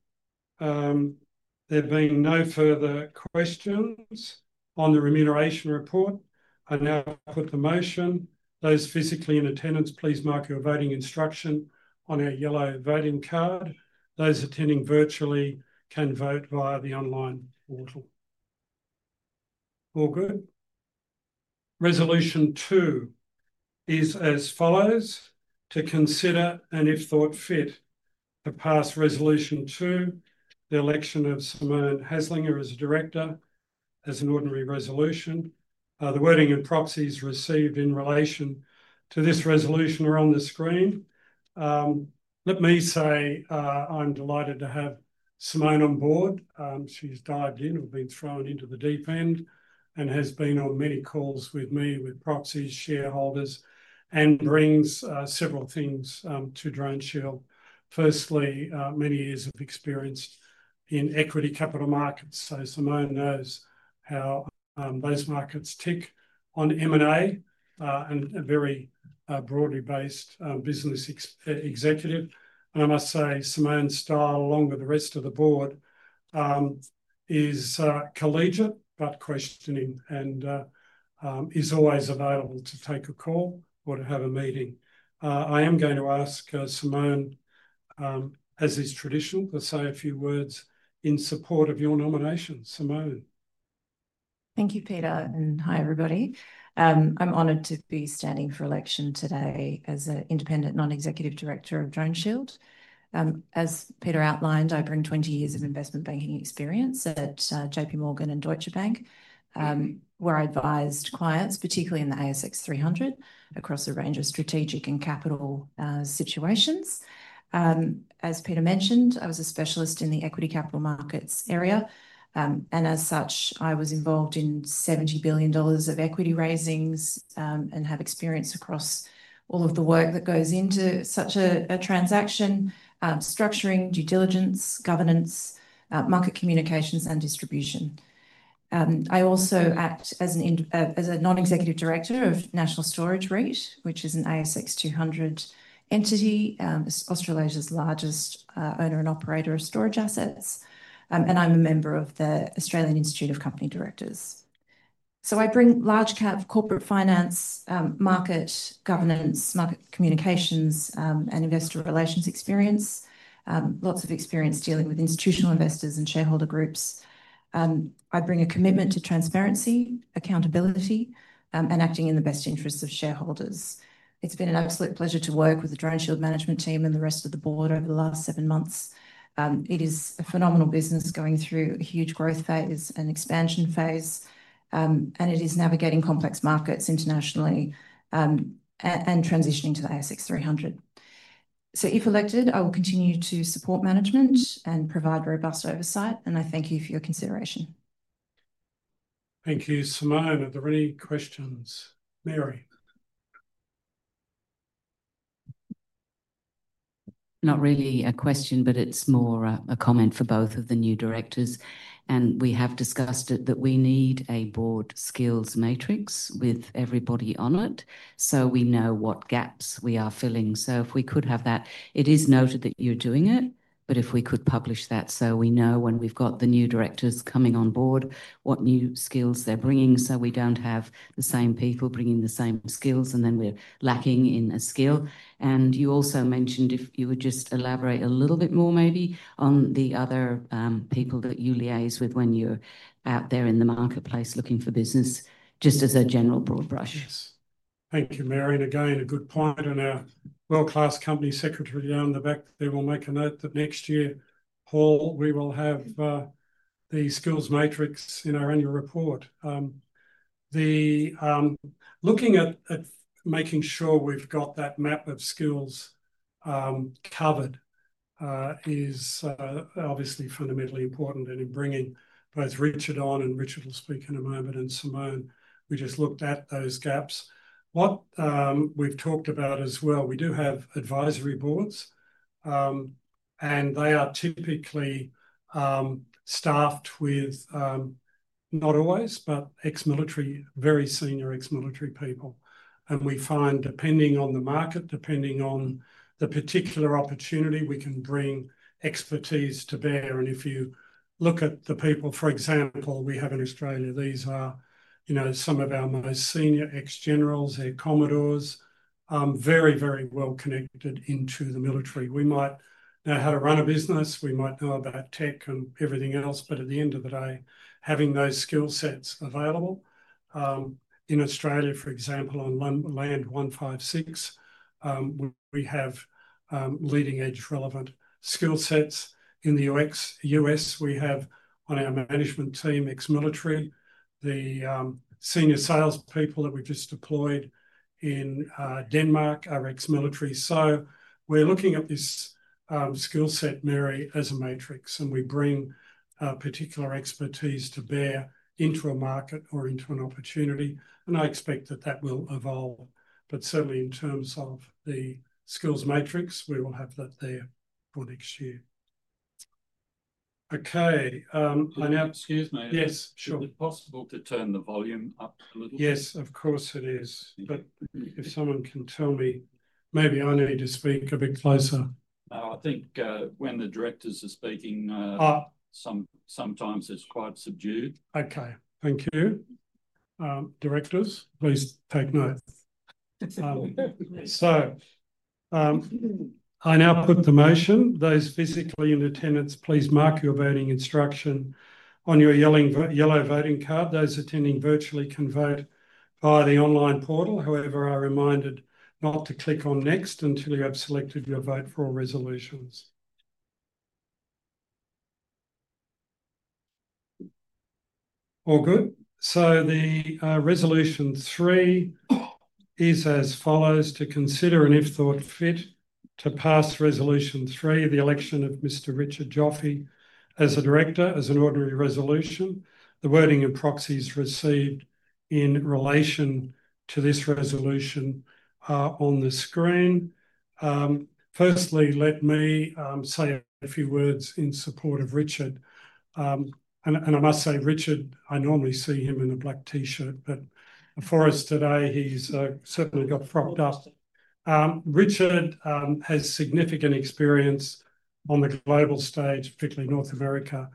there being no further questions on the remuneration report. I now put the motion. Those physically in attendance, please mark your voting instruction on our yellow voting card. Those attending virtually can vote via the online portal. All good? Resolution two is as follows: to consider and, if thought fit, to pass resolution two, the election of Simone Haslinger as a director as an ordinary resolution. The wording and proxies received in relation to this resolution are on the screen. Let me say I'm delighted to have Simone on board. She's dived in and been thrown into the deep end and has been on many calls with me, with proxies, shareholders, and brings several things to DroneShield. Firstly, many years of experience in equity capital markets. Simone knows how those markets tick on M&A and a very broadly based business executive. I must say, Simone's style, along with the rest of the board, is collegiate but questioning and is always available to take a call or to have a meeting. I am going to ask Simone, as is traditional, to say a few words in support of your nomination. Simone. Thank you, Peter. Hi, everybody. I'm honored to be standing for election today as an independent non-executive director of DroneShield. As Peter outlined, I bring 20 years of investment banking experience at J.P. Morgan and Deutsche Bank, where I advised clients, particularly in the ASX 300, across a range of strategic and capital situations. As Peter mentioned, I was a specialist in the equity capital markets area. As such, I was involved in 70 billion dollars of equity raisings and have experience across all of the work that goes into such a transaction: structuring, due diligence, governance, market communications, and distribution. I also act as a non-executive director of National Storage REIT, which is an ASX 200 entity, Australia's largest owner and operator of storage assets. I am a member of the Australian Institute of Company Directors. I bring large-cap corporate finance, market governance, market communications, and investor relations experience, lots of experience dealing with institutional investors and shareholder groups. I bring a commitment to transparency, accountability, and acting in the best interests of shareholders. It has been an absolute pleasure to work with the DroneShield management team and the rest of the board over the last seven months. It is a phenomenal business going through a huge growth phase and expansion phase, and it is navigating complex markets internationally and transitioning to the ASX 300. If elected, I will continue to support management and provide robust oversight. I thank you for your consideration. Thank you, Simone. Are there any questions? Mary? Not really a question, but it is more a comment for both of the new directors. We have discussed it that we need a board skills matrix with everybody on it so we know what gaps we are filling. If we could have that, it is noted that you are doing it, but if we could publish that so we know when we have got the new directors coming on board, what new skills they are bringing so we do not have the same people bringing the same skills and then we are lacking in a skill. You also mentioned if you would just elaborate a little bit more maybe on the other people that you liaise with when you're out there in the marketplace looking for business, just as a general broad brush. Thank you, Mary. Again, a good point. Our world-class Company Secretary down the back there will make a note that next year, Paul, we will have the skills matrix in our annual report. Looking at making sure we've got that map of skills covered is obviously fundamentally important. In bringing both Richard on, and Richard will speak in a moment, and Simone, we just looked at those gaps. What we've talked about as well, we do have advisory boards, and they are typically staffed with, not always, but ex-military, very senior ex-military people. We find, depending on the market, depending on the particular opportunity, we can bring expertise to bear. If you look at the people, for example, we have in Australia, these are some of our most senior ex-generals, their commodores, very, very well connected into the military. We might know how to run a business. We might know about tech and everything else. At the end of the day, having those skill sets available in Australia, for example, on land 156, we have leading-edge relevant skill sets. In the U.S., we have on our management team, ex-military, the senior salespeople that we've just deployed in Denmark are ex-military. We are looking at this skill set, Mary, as a matrix, and we bring particular expertise to bear into a market or into an opportunity. I expect that that will evolve. Certainly, in terms of the skills matrix, we will have that there for next year. Okay. I now— Excuse me. Yes, sure. Is it possible to turn the volume up a little bit? Yes, of course it is. But if someone can tell me, maybe I need to speak a bit closer. I think when the directors are speaking, sometimes it's quite subdued. Okay. Thank you. Directors, please take note. I now put the motion. Those physically in attendance, please mark your voting instruction on your yellow voting card. Those attending virtually can vote via the online portal. However, I remind you not to click on next until you have selected your vote for all resolutions. All good? The resolution three is as follows: to consider and, if thought fit, to pass resolution three, the election of Mr. Richard Joffe as a director as an ordinary resolution. The wording and proxies received in relation to this resolution are on the screen. Firstly, let me say a few words in support of Richard. I must say, Richard, I normally see him in a black T-shirt, but for us today, he's certainly got propped up. Richard has significant experience on the global stage, particularly North America,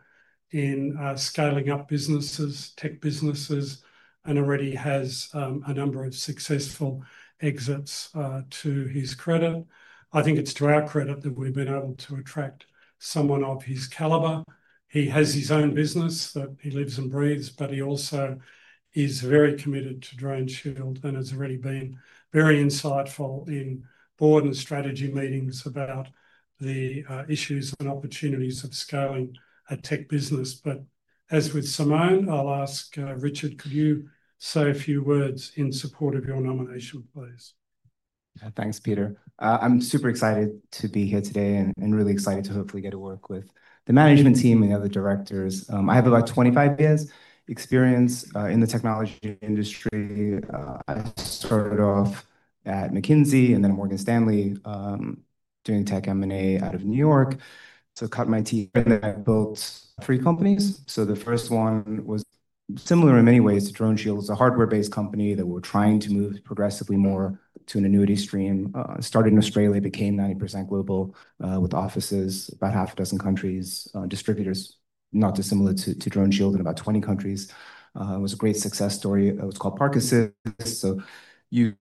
in scaling up businesses, tech businesses, and already has a number of successful exits to his credit. I think it's to our credit that we've been able to attract someone of his caliber. He has his own business that he lives and breathes, but he also is very committed to DroneShield and has already been very insightful in board and strategy meetings about the issues and opportunities of scaling a tech business. As with Simone, I'll ask Richard, could you say a few words in support of your nomination, please? Thanks, Peter. I'm super excited to be here today and really excited to hopefully get to work with the management team and the other directors. I have about 25 years' experience in the technology industry. I started off at McKinsey and then at Morgan Stanley doing tech M&A out of New York. I cut my teeth, and then I built three companies. The first one was similar in many ways to DroneShield. It's a hardware-based company that we were trying to move progressively more to an annuity stream. Started in Australia, became 90% global with offices, about half a dozen countries, distributors not dissimilar to DroneShield in about 20 countries. It was a great success story. It was called Park Assist. You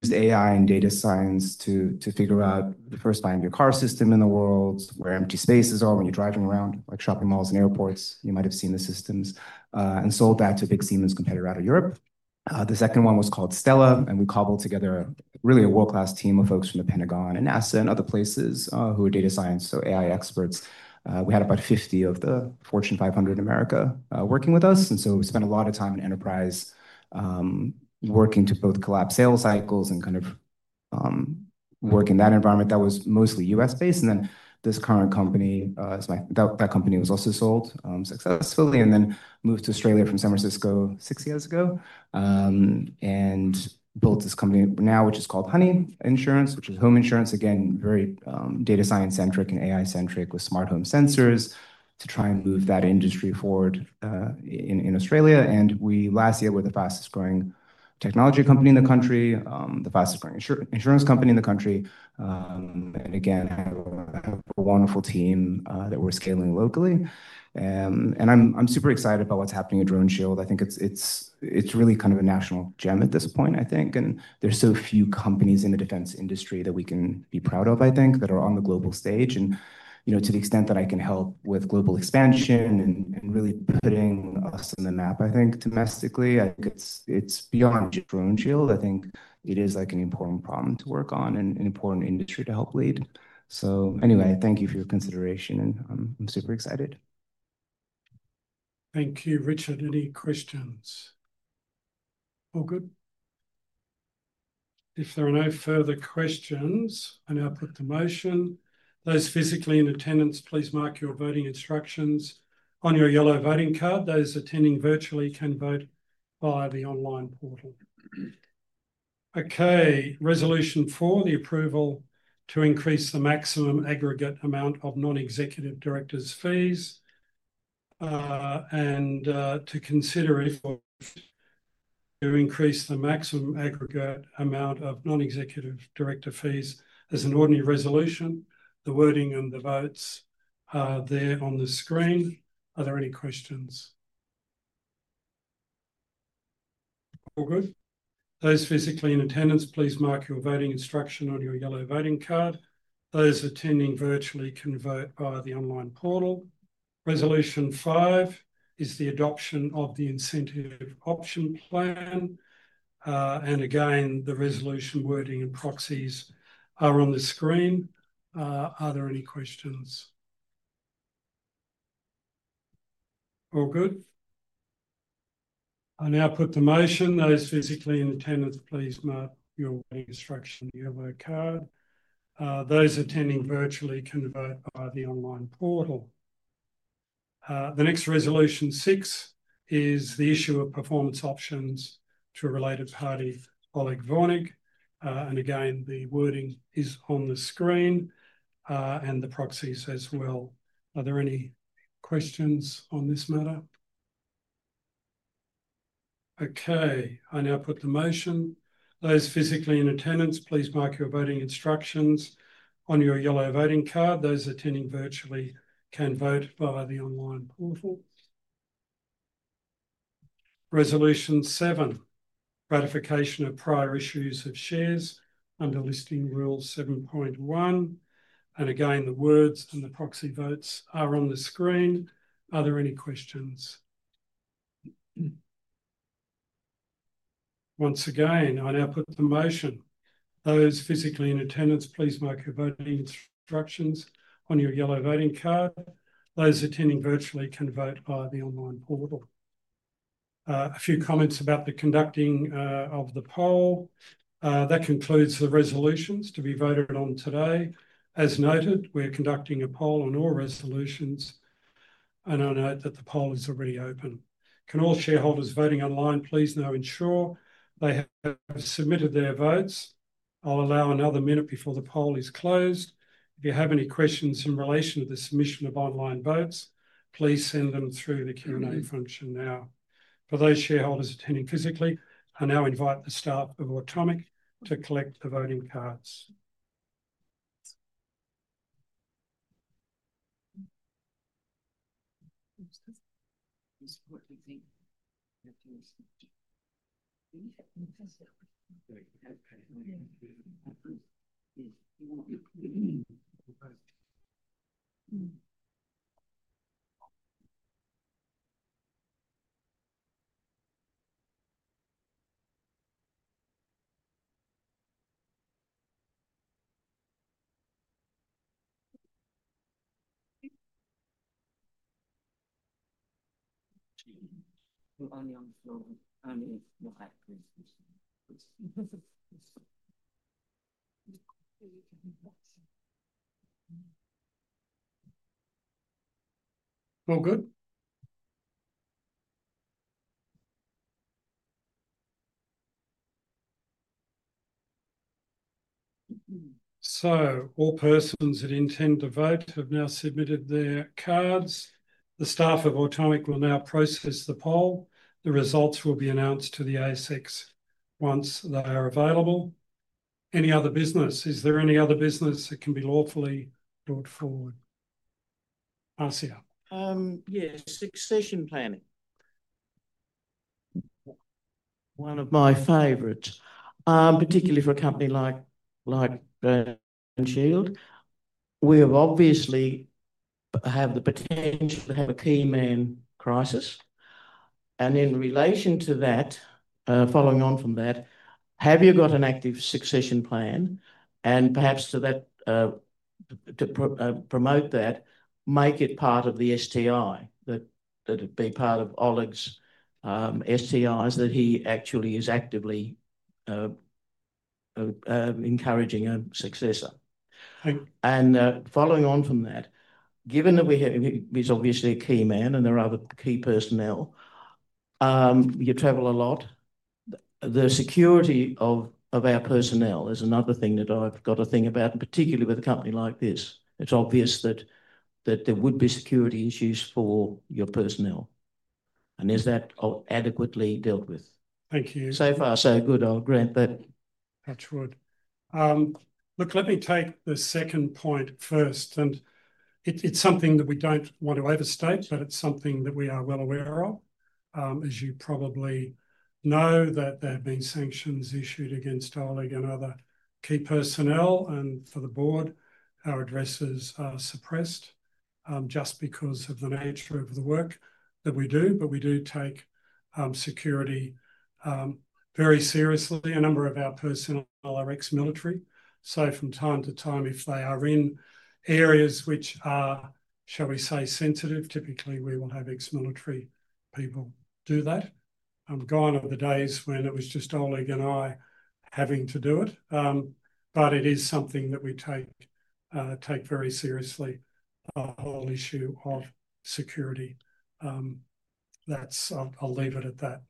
used AI and data science to figure out the first line of your car system in the world, where empty spaces are when you're driving around, like shopping malls and airports. You might have seen the systems and sold that to a big Siemens competitor out of Europe. The second one was called Stella, and we cobbled together really a world-class team of folks from the Pentagon and NASA and other places who are data science, so AI experts. We had about 50 of the Fortune 500 in America working with us. We spent a lot of time in enterprise working to both collapse sales cycles and kind of work in that environment that was mostly US-based. That company was also sold successfully and then moved to Australia from San Francisco six years ago and built this company now, which is called Honey Insurance, which is home insurance, again, very data science-centric and AI-centric with smart home sensors to try and move that industry forward in Australia. Last year we were the fastest-growing technology company in the country, the fastest-growing insurance company in the country. Again, have a wonderful team that we're scaling locally. I'm super excited about what's happening at DroneShield. I think it's really kind of a national gem at this point, I think. There are so few companies in the defense industry that we can be proud of, I think, that are on the global stage. To the extent that I can help with global expansion and really putting us on the map, I think, domestically, I think it's beyond DroneShield. I think it is an important problem to work on and an important industry to help lead. Anyway, thank you for your consideration, and I'm super excited. Thank you, Richard. Any questions? All good? If there are no further questions, I now put the motion. Those physically in attendance, please mark your voting instructions on your yellow voting card. Those attending virtually can vote via the online portal. Okay. Resolution four, the approval to increase the maximum aggregate amount of non-executive directors' fees. To consider if we're to increase the maximum aggregate amount of non-executive director fees as an ordinary resolution. The wording and the votes are there on the screen. Are there any questions? All good? Those physically in attendance, please mark your voting instruction on your yellow voting card. Those attending virtually can vote via the online portal. Resolution five is the adoption of the incentive option plan. The resolution wording and proxies are on the screen. Are there any questions? All good? I now put the motion. Those physically in attendance, please mark your voting instruction on your yellow card. Those attending virtually can vote via the online portal. The next resolution, six, is the issue of performance options to a related party, Oleg Vornik. The wording is on the screen and the proxies as well. Are there any questions on this matter? Okay. I now put the motion. Those physically in attendance, please mark your voting instructions on your yellow voting card. Those attending virtually can vote via the online portal. Resolution seven, ratification of prior issues of shares under Listing Rule 7.1. The words and the proxy votes are on the screen. Are there any questions? I now put the motion. Those physically in attendance, please mark your voting instructions on your yellow voting card. Those attending virtually can vote via the online portal. A few comments about the conducting of the poll. That concludes the resolutions to be voted on today. As noted, we're conducting a poll on all resolutions. I note that the poll is already open. Can all shareholders voting online please now ensure they have submitted their votes. I'll allow another minute before the poll is closed. If you have any questions in relation to the submission of online votes, please send them through the Q&A function now. For those shareholders attending physically, I now invite the staff of Automic to collect the voting cards. All good? So all persons that intend to vote have now submitted their cards. The staff of Automic will now process the poll. The results will be announced to the ASIC once they are available. Any other business? Is there any other business that can be lawfully brought forward? Marcia? Yes, succession planning. One of my favorites, particularly for a company like DroneShield. We obviously have the potential to have a key man crisis. In relation to that, following on from that, have you got an active succession plan? Perhaps to promote that, make it part of the STI, that it be part of Oleg's STIs that he actually is actively encouraging a successor. Following on from that, given that he's obviously a key man and there are other key personnel, you travel a lot. The security of our personnel is another thing that I've got to think about, particularly with a company like this. It's obvious that there would be security issues for your personnel. Is that adequately dealt with? Thank you. So far, so good. I'll grant that. That's good. Look, let me take the second point first. It's something that we don't want to overstate, but it's something that we are well aware of. As you probably know, there have been sanctions issued against Oleg and other key personnel. For the board, our addresses are suppressed just because of the nature of the work that we do. We do take security very seriously. A number of our personnel are ex-military. From time to time, if they are in areas which are, shall we say, sensitive, typically we will have ex-military people do that. Gone are the days when it was just Oleg and I having to do it. It is something that we take very seriously, a whole issue of security. I'll leave it at that.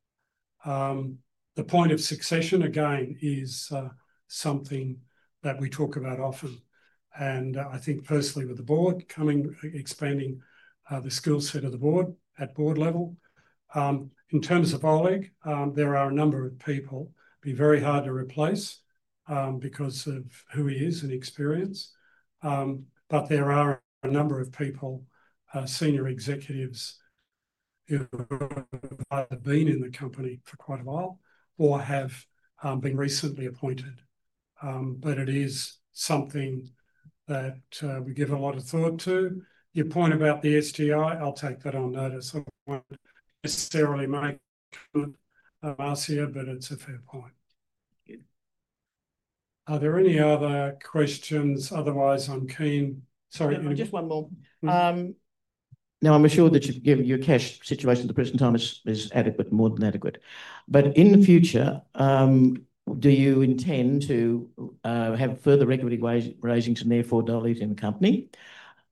The point of succession, again, is something that we talk about often. I think personally with the board, expanding the skill set of the board at board level. In terms of Oleg, there are a number of people who would be very hard to replace because of who he is and experience. There are a number of people, senior executives who have either been in the company for quite a while or have been recently appointed. It is something that we give a lot of thought to. Your point about the STI, I'll take that on notice. I won't necessarily make a comment, Marcia, but it's a fair point. Are there any other questions? Otherwise, I'm keen. Sorry. Just one more. Now, I'm assured that your cash situation at the present time is adequate, more than adequate. But in the future, do you intend to have further revenue rising to near 4 dollars in the company,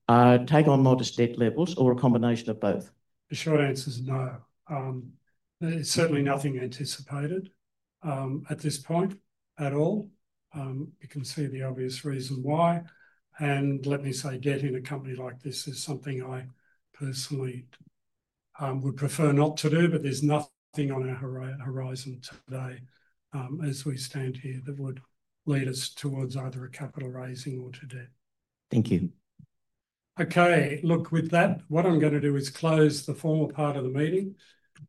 take on modest debt levels, or a combination of both? The short answer is no. There's certainly nothing anticipated at this point at all. You can see the obvious reason why. Let me say, debt in a company like this is something I personally would prefer not to do, but there's nothing on our horizon today as we stand here that would lead us towards either a capital raising or to debt. Thank you. Okay. Look, with that, what I'm going to do is close the formal part of the meeting.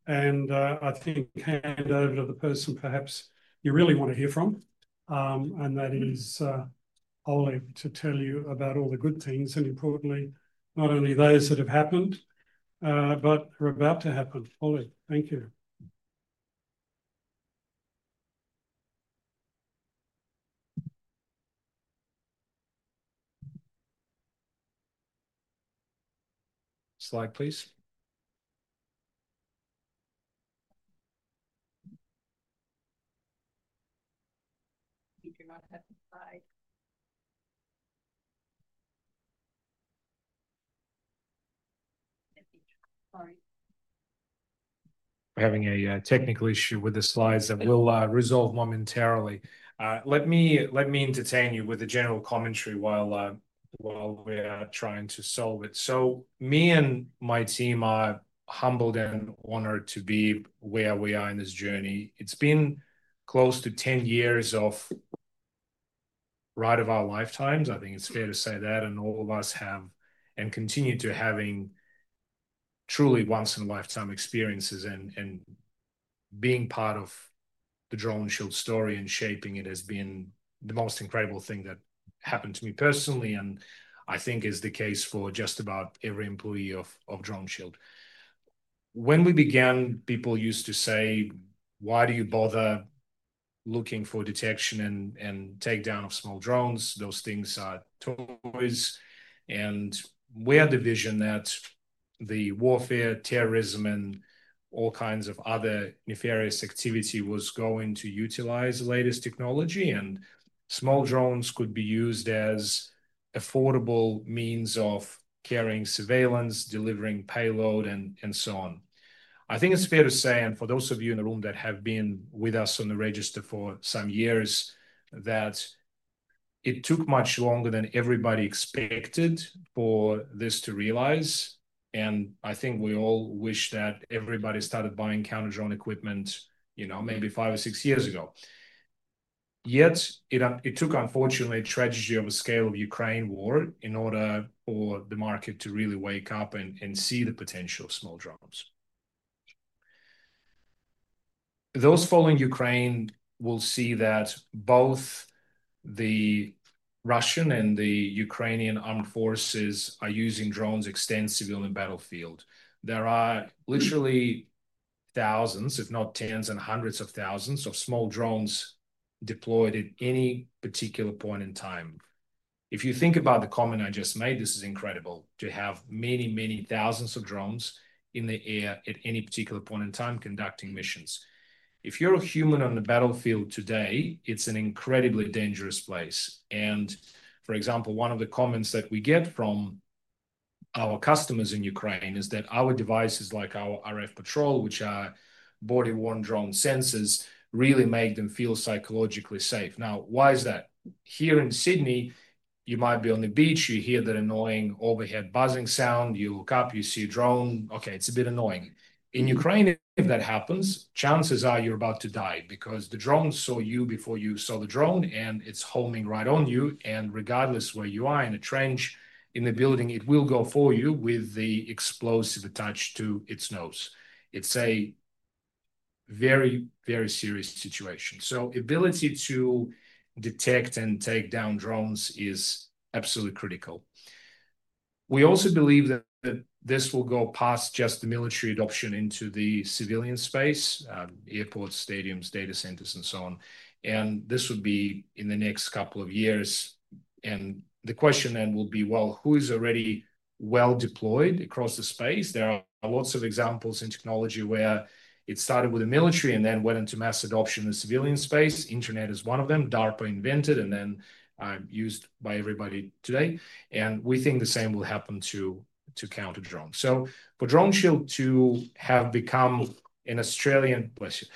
I think hand over to the person perhaps you really want to hear from. That is Oleg to tell you about all the good things and, importantly, not only those that have happened, but are about to happen. Oleg, thank you. Slide, please. We're having a technical issue with the slides that we'll resolve momentarily. Let me entertain you with a general commentary while we're trying to solve it. Me and my team are humbled and honored to be where we are in this journey. It's been close to 10 years of right of our lifetimes. I think it's fair to say that. All of us have and continue to be having truly once-in-a-lifetime experiences, and being part of the DroneShield story and shaping it has been the most incredible thing that happened to me personally, and I think is the case for just about every employee of DroneShield. When we began, people used to say, "Why do you bother looking for detection and takedown of small drones? Those things are toys." We had the vision that warfare, terrorism, and all kinds of other nefarious activity was going to utilize the latest technology, and small drones could be used as affordable means of carrying surveillance, delivering payload, and so on. I think it's fair to say, and for those of you in the room that have been with us on the register for some years, that it took much longer than everybody expected for this to realize. I think we all wish that everybody started buying counter-drone equipment maybe five or six years ago. Yet it took, unfortunately, a tragedy of a scale of Ukraine war in order for the market to really wake up and see the potential of small drones. Those following Ukraine will see that both the Russian and the Ukrainian armed forces are using drones extensively on the battlefield. There are literally thousands, if not tens and hundreds of thousands of small drones deployed at any particular point in time. If you think about the comment I just made, this is incredible to have many, many thousands of drones in the air at any particular point in time conducting missions. If you're a human on the battlefield today, it's an incredibly dangerous place. For example, one of the comments that we get from our customers in Ukraine is that our devices like our RF Patrol, which are body-worn drone sensors, really make them feel psychologically safe. Now, why is that? Here in Sydney, you might be on the beach, you hear that annoying overhead buzzing sound, you look up, you see a drone. Okay, it's a bit annoying. In Ukraine, if that happens, chances are you're about to die because the drone saw you before you saw the drone, and it's homing right on you. Regardless of where you are, in a trench, in a building, it will go for you with the explosive attached to its nose. It's a very, very serious situation. The ability to detect and take down drones is absolutely critical. We also believe that this will go past just the military adoption into the civilian space, airports, stadiums, data centers, and so on. This would be in the next couple of years. The question then will be, who is already well deployed across the space? There are lots of examples in technology where it started with the military and then went into mass adoption in the civilian space. Internet is one of them. DARPA invented and then used by everybody today. We think the same will happen to counter-drones. For DroneShield to have become an Australian-based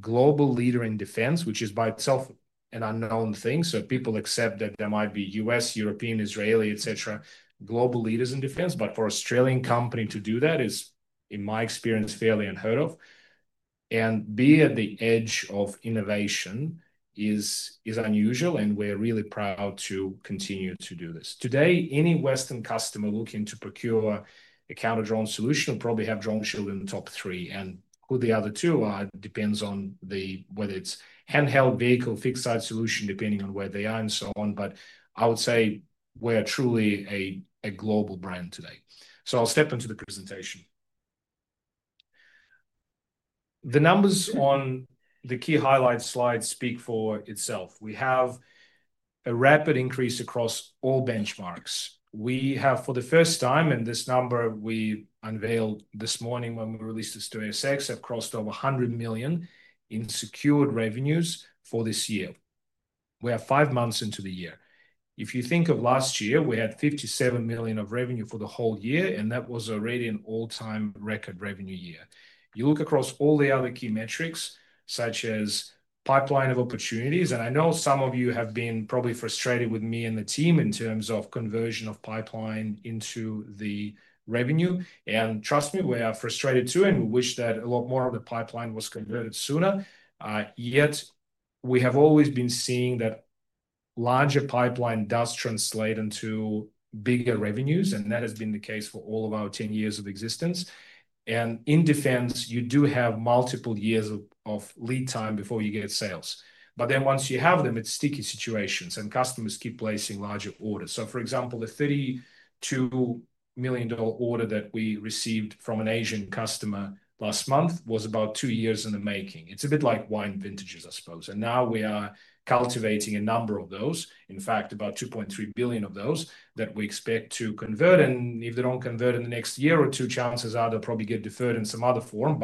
global leader in defense, which is by itself an unknown thing, people accept that there might be US, European, Israeli, etc., global leaders in defense, but for an Australian company to do that is, in my experience, fairly unheard of. Being at the edge of innovation is unusual, and we're really proud to continue to do this. Today, any Western customer looking to procure a counter-drone solution will probably have DroneShield in the top three. Who the other two are depends on whether it's handheld, vehicle, fixed-site solution, depending on where they are and so on. I would say we're truly a global brand today. I'll step into the presentation. The numbers on the key highlight slide speak for itself. We have a rapid increase across all benchmarks. We have, for the first time, and this number we unveiled this morning when we released this to ASX, crossed over 100 million in secured revenues for this year. We are five months into the year. If you think of last year, we had 57 million of revenue for the whole year, and that was already an all-time record revenue year. You look across all the other key metrics, such as pipeline of opportunities. I know some of you have been probably frustrated with me and the team in terms of conversion of pipeline into the revenue. Trust me, we are frustrated too, and we wish that a lot more of the pipeline was converted sooner. Yet we have always been seeing that larger pipeline does translate into bigger revenues, and that has been the case for all of our 10 years of existence. In defence, you do have multiple years of lead time before you get sales. Once you have them, it's sticky situations, and customers keep placing larger orders. For example, the 32 million dollar order that we received from an Asian customer last month was about two years in the making. It's a bit like wine vintages, I suppose. Now we are cultivating a number of those, in fact, about 2.3 billion of those that we expect to convert. If they do not convert in the next year or two, chances are they'll probably get deferred in some other form.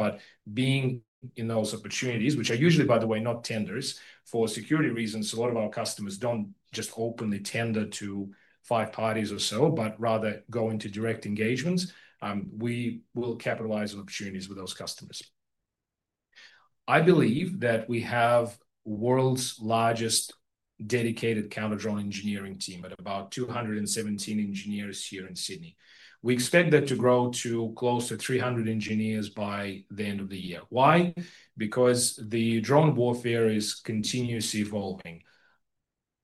Being in those opportunities, which are usually, by the way, not tenders for security reasons, a lot of our customers do not just openly tender to five parties or so, but rather go into direct engagements, we will capitalize on opportunities with those customers. I believe that we have the world's largest dedicated counter-drone engineering team at about 217 engineers here in Sydney. We expect that to grow to close to 300 engineers by the end of the year. Why? Because the drone warfare is continuously evolving.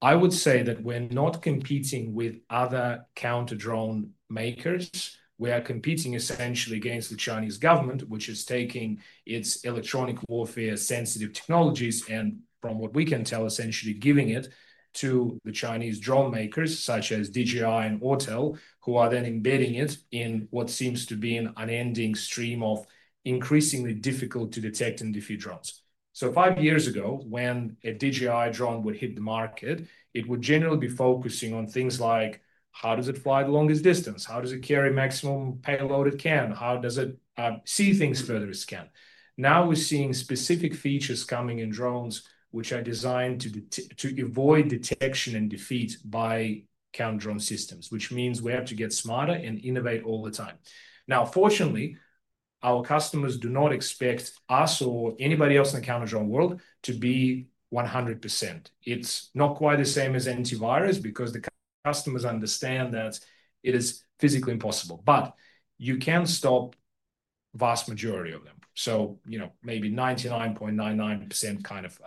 I would say that we're not competing with other counter-drone makers. We are competing essentially against the Chinese government, which is taking its electronic warfare-sensitive technologies and, from what we can tell, essentially giving it to the Chinese drone makers such as DJI and Autel, who are then embedding it in what seems to be an unending stream of increasingly difficult-to-detect and defeat drones. Five years ago, when a DJI drone would hit the market, it would generally be focusing on things like, how does it fly the longest distance? How does it carry maximum payload it can? How does it see things further it can? Now we're seeing specific features coming in drones which are designed to avoid detection and defeat by counter-drone systems, which means we have to get smarter and innovate all the time. Fortunately, our customers do not expect us or anybody else in the counter-drone world to be 100%. It's not quite the same as antivirus because the customers understand that it is physically impossible. You can stop the vast majority of them. Maybe 99.99% kind of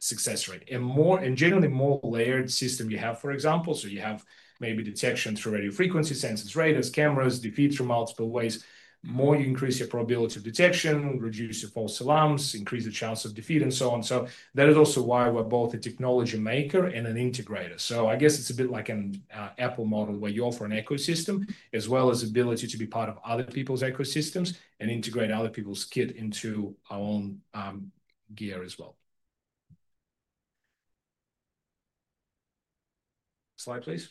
success rate. Generally, the more layered system you have, for example, you have maybe detection through radio frequency sensors, radars, cameras, defeat through multiple ways, the more you increase your probability of detection, reduce your false alarms, increase the chance of defeat, and so on. That is also why we're both a technology maker and an integrator. I guess it's a bit like an Apple model where you offer an ecosystem as well as the ability to be part of other people's ecosystems and integrate other people's kit into our own gear as well. Slide, please.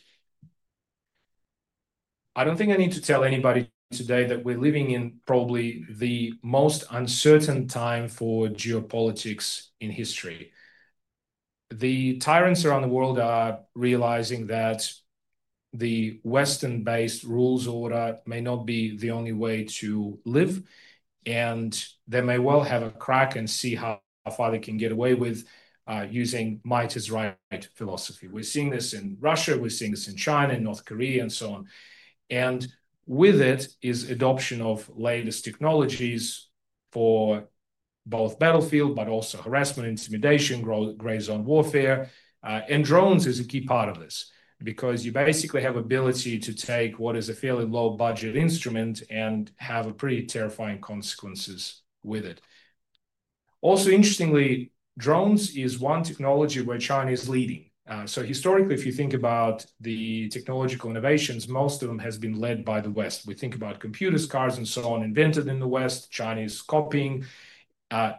I don't think I need to tell anybody today that we're living in probably the most uncertain time for geopolitics in history. The tyrants around the world are realizing that the Western-based rules order may not be the only way to live. They may well have a crack and see how far they can get away with using might is right philosophy. We're seeing this in Russia. We're seeing this in China and North Korea and so on. With it is the adoption of latest technologies for both battlefield, but also harassment, intimidation, gray zone warfare. Drones are a key part of this because you basically have the ability to take what is a fairly low-budget instrument and have pretty terrifying consequences with it. Also, interestingly, drones are one technology where China is leading. Historically, if you think about the technological innovations, most of them have been led by the West. We think about computers, cars, and so on invented in the West, Chinese copying.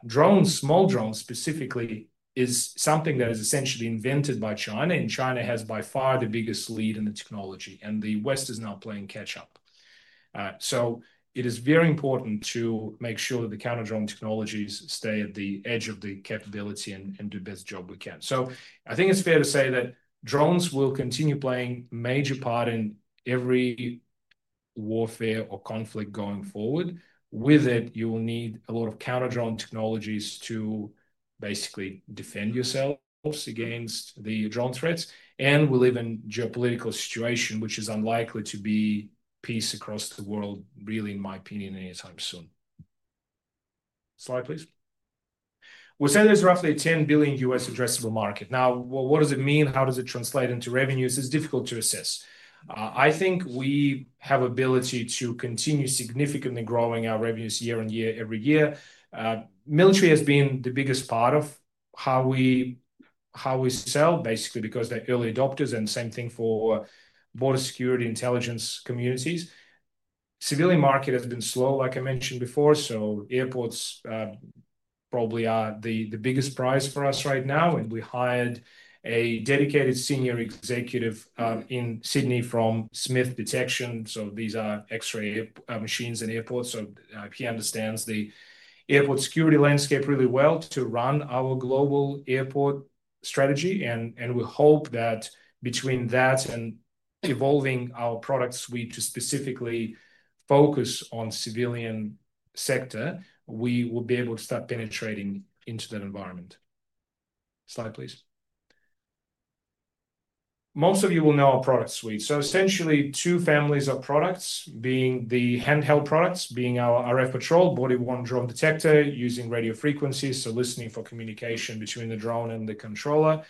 Drones, small drones specifically, are something that is essentially invented by China. China has by far the biggest lead in the technology. The West is now playing catch-up. It is very important to make sure that the counter-drone technologies stay at the edge of the capability and do the best job we can. I think it's fair to say that drones will continue playing a major part in every warfare or conflict going forward. With it, you will need a lot of counter-drone technologies to basically defend yourselves against the drone threats. We live in a geopolitical situation which is unlikely to be peace across the world, really, in my opinion, anytime soon. Slide, please. We said there's roughly a $10 billion U.S. addressable market. Now, what does it mean? How does it translate into revenues? It's difficult to assess. I think we have the ability to continue significantly growing our revenues year-on-year, every year. Military has been the biggest part of how we sell, basically, because they're early adopters. The same thing for border security intelligence communities. The civilian market has been slow, like I mentioned before. Airports probably are the biggest prize for us right now. We hired a dedicated senior executive in Sydney from Smiths Detection. These are X-ray machines and airports. He understands the airport security landscape really well to run our global airport strategy. We hope that between that and evolving our product suite to specifically focus on the civilian sector, we will be able to start penetrating into that environment. Slide, please. Most of you will know our product suite. Essentially, two families of products, being the handheld products, being our RfPatrol, body-worn drone detector using radio frequencies, so listening for communication between the drone and the controller,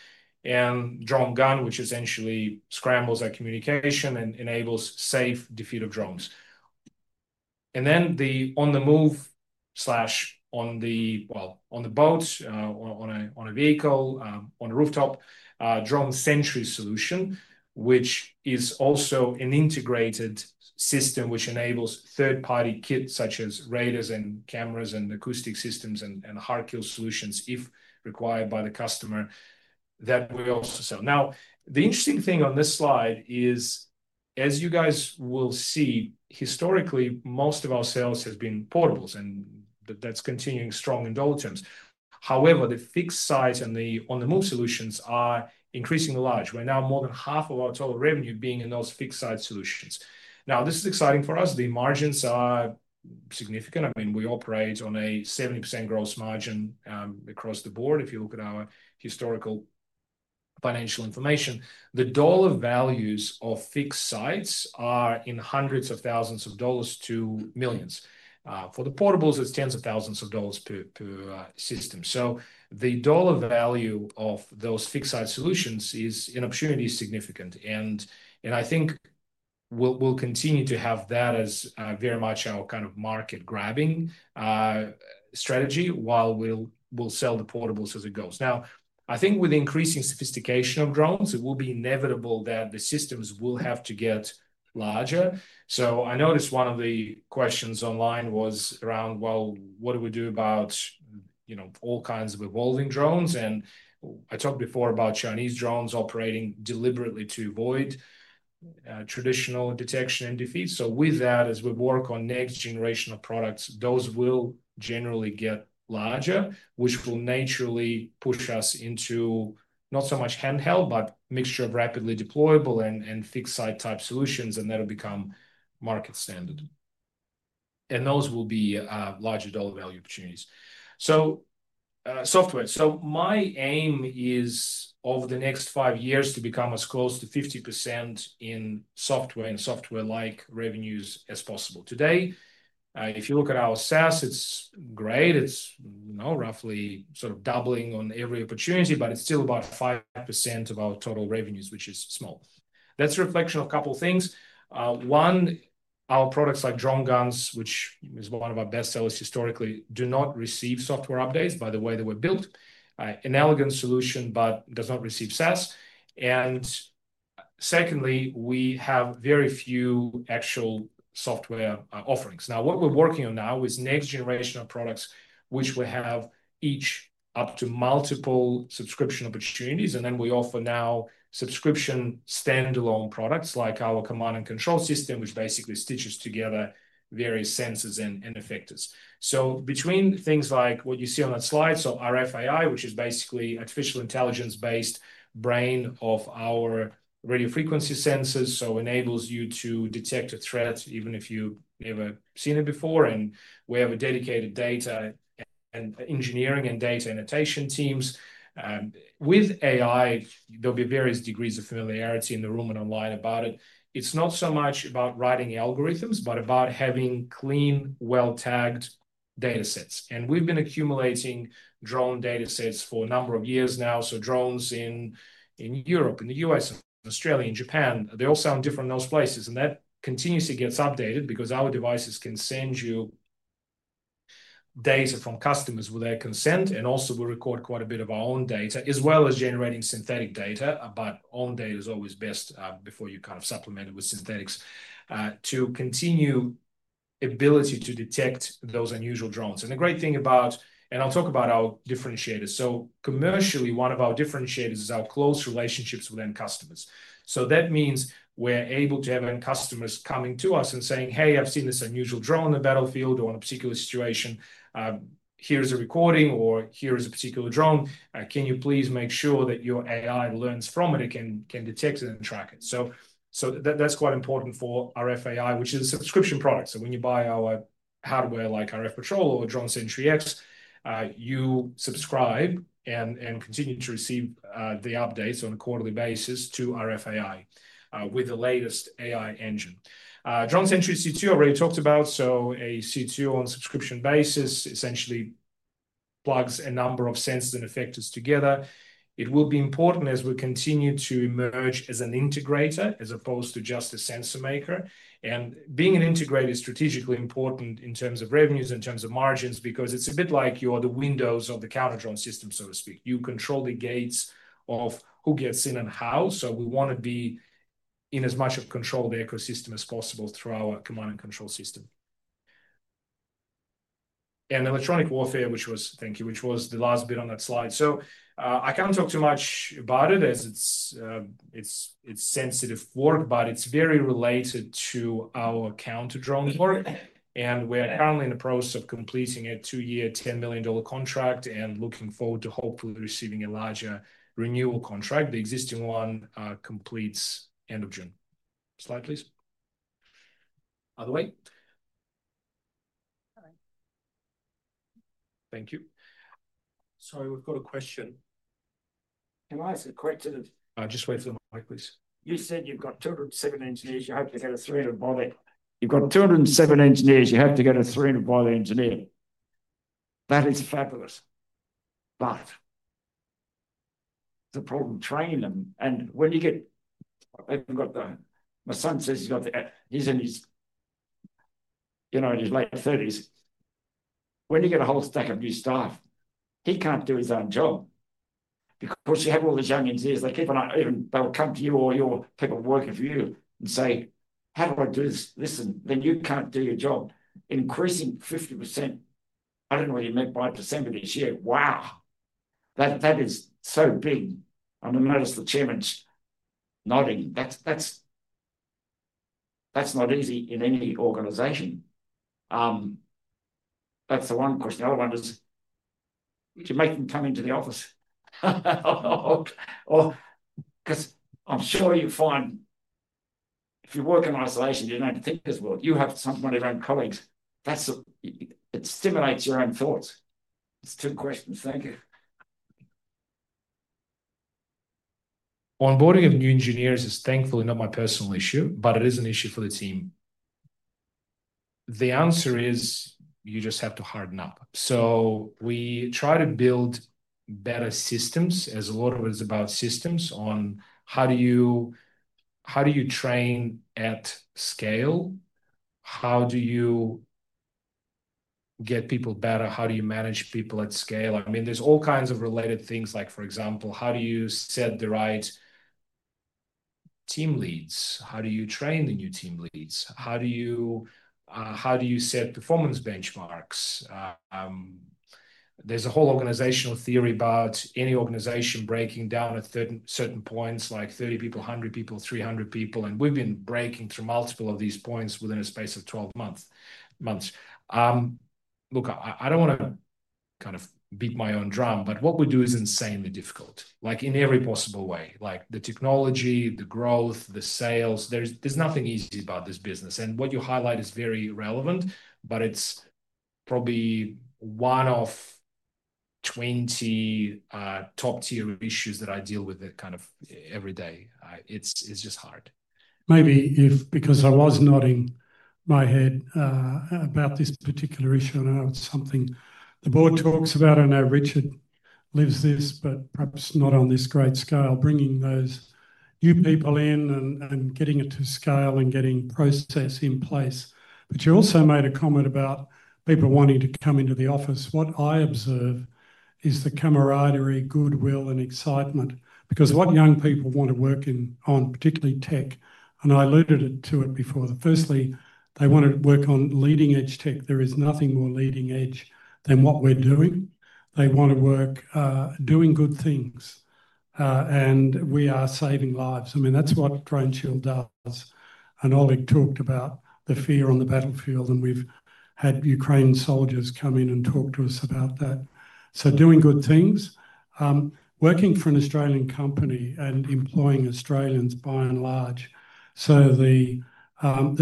and DroneGun, which essentially scrambles our communication and enables safe defeat of drones. Then the on-the-move, on the boat, on a vehicle, on a rooftop, DroneSentry solution, which is also an integrated system which enables third-party kits such as radars and cameras and acoustic systems and hard-kill solutions if required by the customer that we also sell. Now, the interesting thing on this slide is, as you guys will see, historically, most of our sales have been portables, and that's continuing strong in dollar terms. However, the fixed-site and the on-the-move solutions are increasingly large. We're now more than half of our total revenue being in those fixed-site solutions. Now, this is exciting for us. The margins are significant. I mean, we operate on a 70% gross margin across the board. If you look at our historical financial information, the dollar values of fixed sites are in hundreds of thousands of dollars to millions. For the portables, it's tens of thousands of dollars per system. So the dollar value of those fixed-site solutions is, in opportunity, significant. I think we'll continue to have that as very much our kind of market-grabbing strategy while we'll sell the portables as it goes. Now, I think with increasing sophistication of drones, it will be inevitable that the systems will have to get larger. I noticed one of the questions online was around, well, what do we do about all kinds of evolving drones? I talked before about Chinese drones operating deliberately to avoid traditional detection and defeat. With that, as we work on next-generation products, those will generally get larger, which will naturally push us into not so much handheld, but a mixture of rapidly deployable and fixed-site type solutions, and that will become market standard. Those will be larger dollar value opportunities. Software. My aim is, over the next five years, to become as close to 50% in software and software-like revenues as possible. Today, if you look at our SaaS, it's great. It's roughly sort of doubling on every opportunity, but it's still about 5% of our total revenues, which is small. That's a reflection of a couple of things. One, our products like drone guns, which is one of our best sellers historically, do not receive software updates by the way they were built. An elegant solution, but does not receive SaaS. Secondly, we have very few actual software offerings. Now, what we're working on now is next-generation products, which will have each up to multiple subscription opportunities. We offer now subscription standalone products like our command and control system, which basically stitches together various sensors and effectors. Between things like what you see on that slide, RF AI, which is basically artificial intelligence-based brain of our radio frequency sensors, it enables you to detect a threat even if you've never seen it before. We have dedicated data and engineering and data annotation teams. With AI, there will be various degrees of familiarity in the room and online about it. It is not so much about writing algorithms, but about having clean, well-tagged data sets. We have been accumulating drone data sets for a number of years now. Drones in Europe, in the U.S., and Australia, in Japan, they all sound different in those places. That continuously gets updated because our devices can send you data from customers with their consent. We also record quite a bit of our own data, as well as generating synthetic data. Own data is always best before you kind of supplement it with synthetics to continue the ability to detect those unusual drones. The great thing about, and I will talk about our differentiators. Commercially, one of our differentiators is our close relationships with end customers. That means we're able to have end customers coming to us and saying, "Hey, I've seen this unusual drone on the battlefield or in a particular situation. Here's a recording," or, "Here is a particular drone. Can you please make sure that your AI learns from it? It can detect it and track it." That's quite important for RFII, which is a subscription product. When you buy our hardware like RfPatrol or DroneSentry-X, you subscribe and continue to receive the updates on a quarterly basis to RFII with the latest AI engine. DroneSentry-C2, I already talked about. A C2 on a subscription basis essentially plugs a number of sensors and effectors together. It will be important as we continue to emerge as an integrator as opposed to just a sensor maker. Being an integrator is strategically important in terms of revenues, in terms of margins, because it is a bit like you are the windows of the counter-drone system, so to speak. You control the gates of who gets in and how. We want to be in as much of control of the ecosystem as possible through our command and control system. Electronic warfare, which was, thank you, which was the last bit on that slide. I cannot talk too much about it as it is sensitive work, but it is very related to our counter-drone work. We are currently in the process of completing a two-year, 10 million dollar contract and looking forward to hopefully receiving a larger renewal contract. The existing one completes end of June. Slide, please. Other way. Thank you. Sorry, we've got a question. Can I ask a question? Just wait for the mic, please. You said you've got 207 engineers. You have to get a 300 body. You've got 207 engineers. You have to get a 300 body engineer. That is fabulous. The problem is training them. When you get—I've got the—my son says he's got the—he's in his late 30s. When you get a whole stack of new staff, he can't do his own job because you have all these young engineers. They keep on—even they'll come to you or your people working for you and say, "How do I do this?" Listen, then you can't do your job. Increasing 50%. I don't know what he meant by December this year. Wow. That is so big. I noticed the Chairman's nodding. That's not easy in any organisation. That's the one question. The other one is, do you make them come into the office? Because I'm sure you find, if you work in isolation, you don't have to think as well. You have someone of your own colleagues. It stimulates your own thoughts. It's two questions. Thank you. Onboarding of new engineers is, thankfully, not my personal issue, but it is an issue for the team. The answer is you just have to harden up. We try to build better systems, as a lot of it is about systems, on how do you train at scale? How do you get people better? How do you manage people at scale? I mean, there's all kinds of related things, like, for example, how do you set the right team leads? How do you train the new team leads? How do you set performance benchmarks? is a whole organizational theory about any organization breaking down at certain points, like 30 people, 100 people, 300 people. We have been breaking through multiple of these points within a space of 12 months. Look, I do not want to kind of beat my own drum, but what we do is insanely difficult, in every possible way. The technology, the growth, the sales, there is nothing easy about this business. What you highlight is very relevant, but it is probably one of 20 top-tier issues that I deal with kind of every day. It is just hard. Maybe if—because I was nodding my head about this particular issue, and I know it is something the board talks about, and I know Richard lives this, but perhaps not on this great scale, bringing those new people in and getting it to scale and getting process in place. You also made a comment about people wanting to come into the office. What I observe is the camaraderie, goodwill, and excitement because what young people want to work in on, particularly tech, and I alluded to it before, firstly, they want to work on leading-edge tech. There is nothing more leading-edge than what we're doing. They want to work doing good things, and we are saving lives. I mean, that's what DroneShield does. Oleg talked about the fear on the battlefield, and we've had Ukraine soldiers come in and talk to us about that. Doing good things, working for an Australian company, and employing Australians by and large. The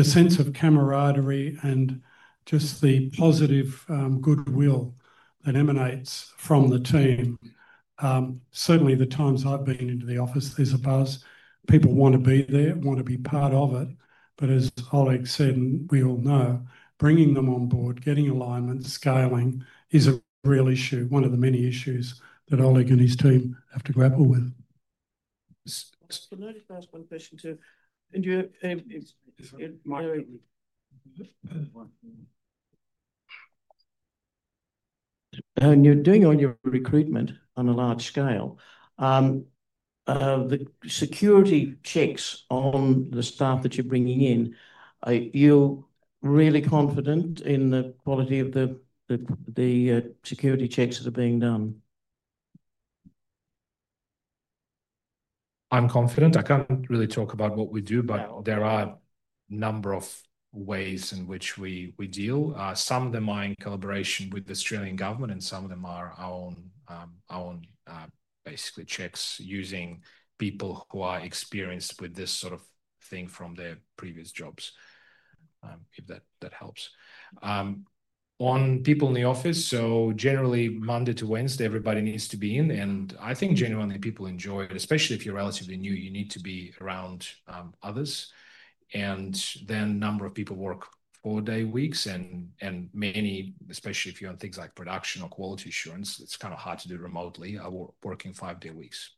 sense of camaraderie and just the positive goodwill that emanates from the team. Certainly, the times I've been into the office, there's a buzz. People want to be there, want to be part of it. As Oleg said, and we all know, bringing them on board, getting alignment, scaling is a real issue, one of the many issues that Oleg and his team have to grapple with. Can I just ask one question too? You're doing your recruitment on a large scale. The security checks on the staff that you're bringing in, are you really confident in the quality of the security checks that are being done? I'm confident. I can't really talk about what we do, but there are a number of ways in which we deal. Some of them are in collaboration with the Australian government, and some of them are our own, basically, checks using people who are experienced with this sort of thing from their previous jobs, if that helps. On people in the office, generally, Monday to Wednesday, everybody needs to be in. I think, genuinely, people enjoy it, especially if you're relatively new. You need to be around others. A number of people work four-day weeks. Many, especially if you're on things like production or quality assurance, it's kind of hard to do remotely, working five-day weeks.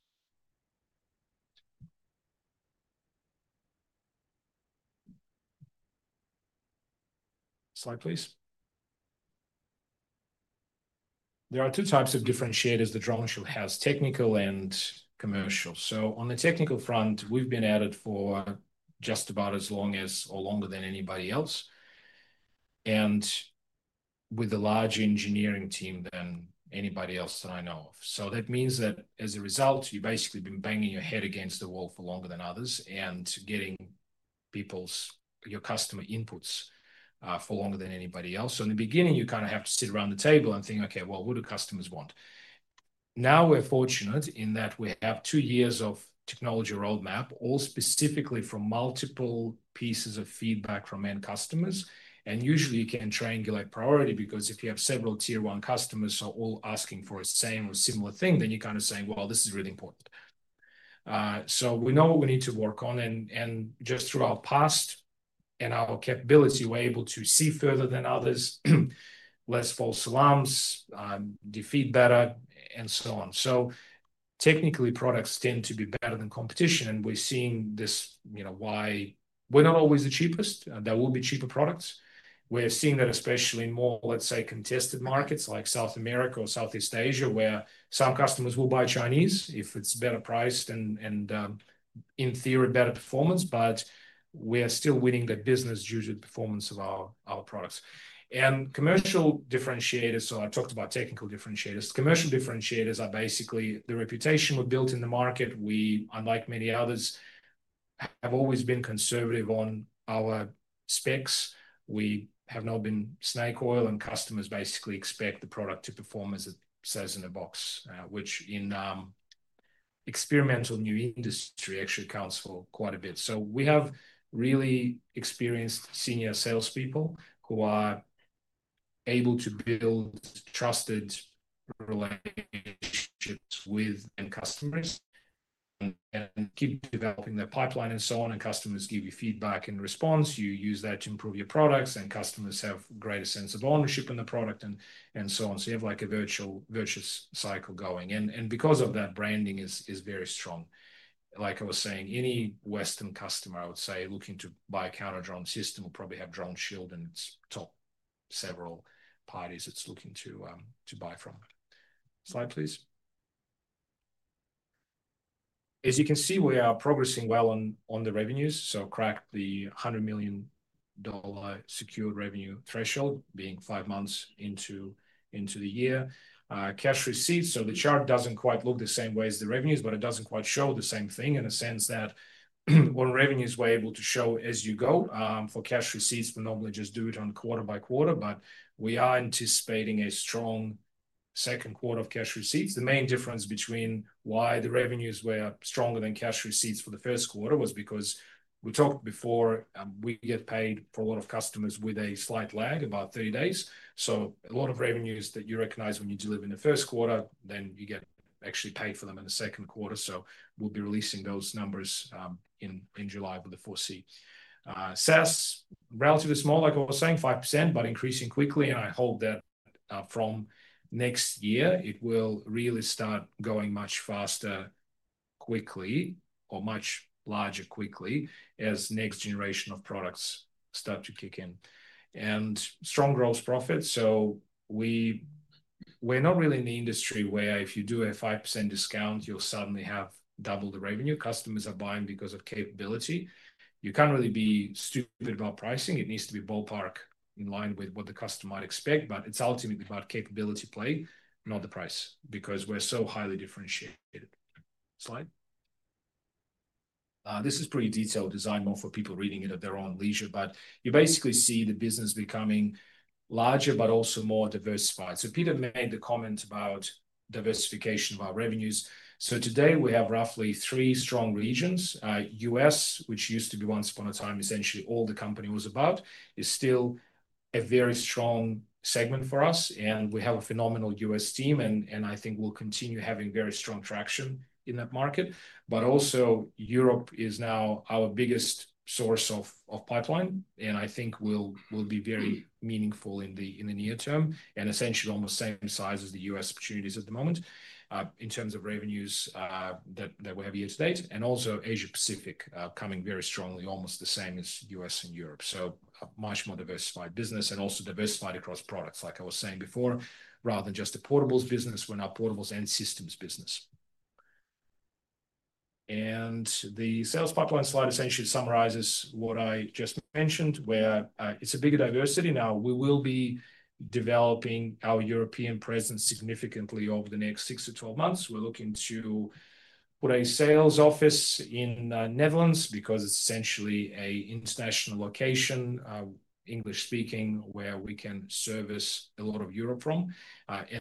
Slide, please. There are two types of differentiators that DroneShield has: technical and commercial. On the technical front, we've been at it for just about as long as or longer than anybody else, and with a larger engineering team than anybody else that I know of. That means that, as a result, you've basically been banging your head against the wall for longer than others and getting your customer inputs for longer than anybody else. In the beginning, you kind of have to sit around the table and think, "Okay, well, what do customers want?" Now we're fortunate in that we have two years of technology roadmap, all specifically from multiple pieces of feedback from end customers. Usually, you can triangulate priority because if you have several tier-one customers who are all asking for the same or similar thing, then you're kind of saying, "Well, this is really important." We know what we need to work on. Just through our past and our capability, we're able to see further than others, less false alarms, defeat better, and so on. Technically, products tend to be better than competition. We're seeing this why we're not always the cheapest. There will be cheaper products. We're seeing that especially in more, let's say, contested markets like South America or Southeast Asia, where some customers will buy Chinese if it's better priced and, in theory, better performance. We are still winning the business due to the performance of our products. Commercial differentiators, so I talked about technical differentiators. Commercial differentiators are basically the reputation we've built in the market. We, unlike many others, have always been conservative on our specs. We have not been snake oil, and customers basically expect the product to perform as it says in the box, which, in experimental new industry, actually accounts for quite a bit. We have really experienced senior salespeople who are able to build trusted relationships with end customers and keep developing their pipeline and so on. Customers give you feedback and response. You use that to improve your products, and customers have a greater sense of ownership in the product and so on. You have a virtuous cycle going. Because of that, branding is very strong. Like I was saying, any Western customer, I would say, looking to buy a counter-drone system will probably have DroneShield in its top several parties it's looking to buy from. Slide, please. As you can see, we are progressing well on the revenues. Cracked the 100 million dollar secured revenue threshold, being five months into the year. Cash receipts, the chart does not quite look the same way as the revenues, but it does not quite show the same thing in the sense that on revenues, we are able to show as you go. For cash receipts, we normally just do it on quarter by quarter, but we are anticipating a strong second quarter of cash receipts. The main difference between why the revenues were stronger than cash receipts for the first quarter was because we talked before, we get paid for a lot of customers with a slight lag, about 30 days. A lot of revenues that you recognize when you deliver in the first quarter, then you get actually paid for them in the second quarter. We will be releasing those numbers in July with the 4C. SaaS, relatively small, like I was saying, 5%, but increasing quickly. I hope that from next year, it will really start going much faster quickly or much larger quickly as the next generation of products start to kick in. Strong gross profits. We're not really in the industry where, if you do a 5% discount, you'll suddenly have double the revenue. Customers are buying because of capability. You can't really be stupid about pricing. It needs to be ballpark in line with what the customer might expect. It's ultimately about capability play, not the price, because we're so highly differentiated. Slide. This is a pretty detailed design, more for people reading it at their own leisure. You basically see the business becoming larger but also more diversified. Peter made the comment about diversification of our revenues. Today, we have roughly three strong regions. US, which used to be once upon a time essentially all the company was about, is still a very strong segment for us. We have a phenomenal US team, and I think we'll continue having very strong traction in that market. Europe is now our biggest source of pipeline, and I think will be very meaningful in the near term and essentially almost same size as the US opportunities at the moment in terms of revenues that we have year to date. Also, Asia-Pacific coming very strongly, almost the same as U.S. and Europe. Much more diversified business and also diversified across products, like I was saying before, rather than just a portables business. We are now portables and systems business. The sales pipeline slide essentially summarises what I just mentioned, where it is a bigger diversity. We will be developing our European presence significantly over the next 6-12 months. We're looking to put a sales office in the Netherlands because it's essentially an international location, English-speaking, where we can service a lot of Europe from,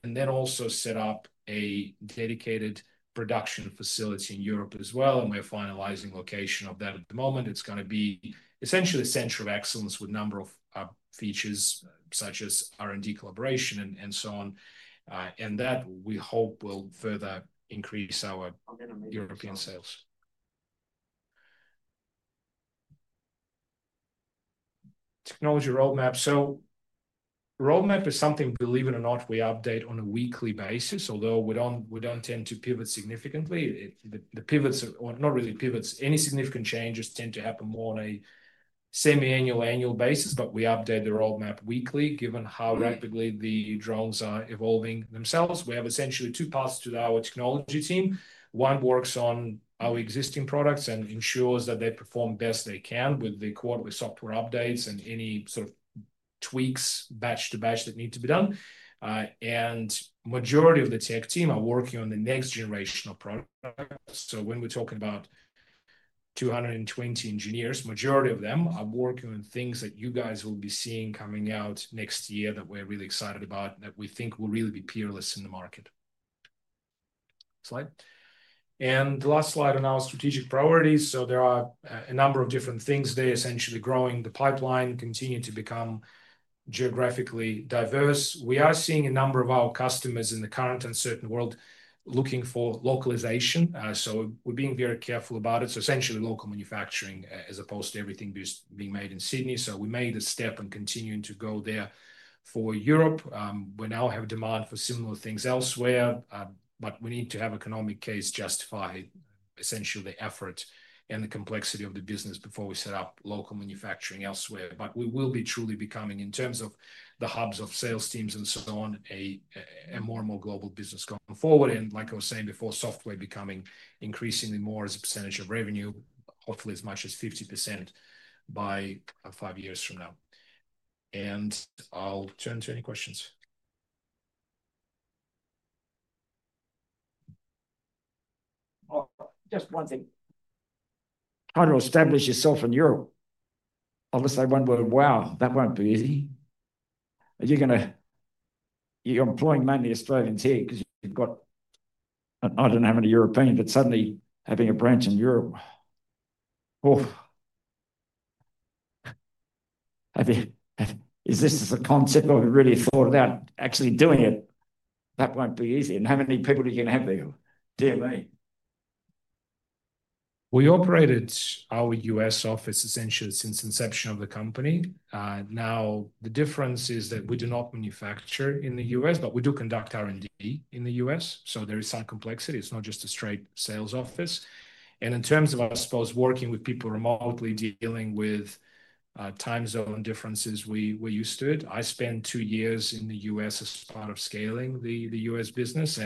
and also set up a dedicated production facility in Europe as well. We're finalizing the location of that at the moment. It's going to be essentially a center of excellence with a number of features such as R&D collaboration and so on. That, we hope, will further increase our European sales. Technology roadmap. Roadmap is something, believe it or not, we update on a weekly basis, although we don't tend to pivot significantly. The pivots are not really pivots. Any significant changes tend to happen more on a semi-annual, annual basis, but we update the roadmap weekly, given how rapidly the drones are evolving themselves. We have essentially two parts to our technology team. One works on our existing products and ensures that they perform best they can with the quarterly software updates and any sort of tweaks batch to batch that need to be done. The majority of the tech team are working on the next generation of products. When we're talking about 220 engineers, the majority of them are working on things that you guys will be seeing coming out next year that we're really excited about and that we think will really be peerless in the market. Slide. The last slide on our strategic priorities. There are a number of different things there, essentially growing the pipeline, continuing to become geographically diverse. We are seeing a number of our customers in the current uncertain world looking for localisation. We are being very careful about it. Essentially, local manufacturing as opposed to everything being made in Sydney. We made a step and continue to go there for Europe. We now have demand for similar things elsewhere, but we need to have an economic case justify essentially the effort and the complexity of the business before we set up local manufacturing elsewhere. We will be truly becoming, in terms of the hubs of sales teams and so on, a more and more global business going forward. Like I was saying before, software becoming increasingly more as a percentage of revenue, hopefully as much as 50% by five years from now. I'll turn to any questions. Just one thing. Trying to establish yourself in Europe. I'll just say one word. Wow, that won't be easy. You're going to employing mainly Australians here because you've got—I don't know how many Europeans—but suddenly having a branch in Europe. Is this a concept that we've really thought about actually doing it? That won't be easy. How many people are you going to have there? Dear me. We operated our US office essentially since the inception of the company. Now, the difference is that we do not manufacture in the U.S., but we do conduct R&D in the U.S. There is some complexity. It's not just a straight sales office. In terms of, I suppose, working with people remotely, dealing with time zone differences, we're used to it. I spent two years in the U.S. as part of scaling the U.S. business.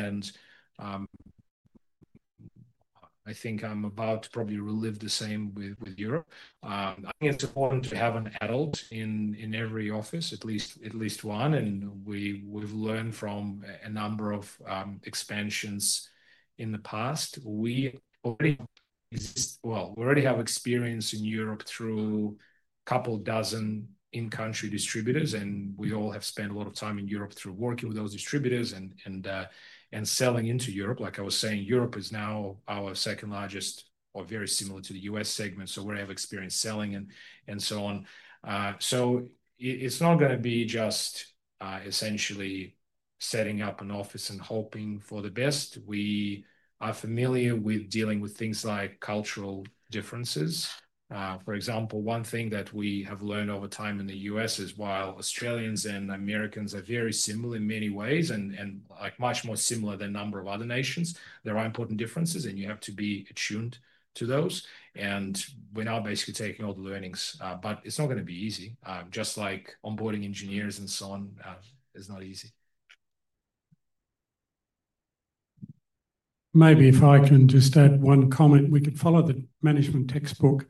I think I'm about to probably relive the same with Europe. I think it's important to have an adult in every office, at least one. We've learned from a number of expansions in the past. We already have experience in Europe through a couple dozen in-country distributors. And we all have spent a lot of time in Europe through working with those distributors and selling into Europe. Like I was saying, Europe is now our second largest or very similar to the U.S. segment. So we have experience selling and so on. It is not going to be just essentially setting up an office and hoping for the best. We are familiar with dealing with things like cultural differences. For example, one thing that we have learned over time in the U.S. is while Australians and Americans are very similar in many ways and much more similar than a number of other nations, there are important differences, and you have to be attuned to those. We are now basically taking all the learnings. It is not going to be easy. Just like onboarding engineers and so on, it's not easy. Maybe if I can just add one comment, we could follow the management textbook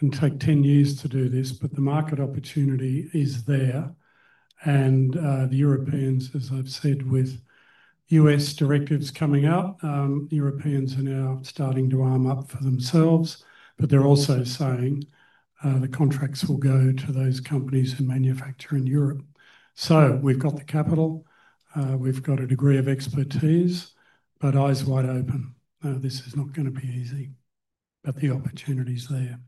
and take 10 years to do this, but the market opportunity is there. The Europeans, as I've said, with U.S. directives coming up, Europeans are now starting to arm up for themselves. They are also saying the contracts will go to those companies who manufacture in Europe. We have the capital. We have a degree of expertise. Eyes wide open. This is not going to be easy. The opportunity's there.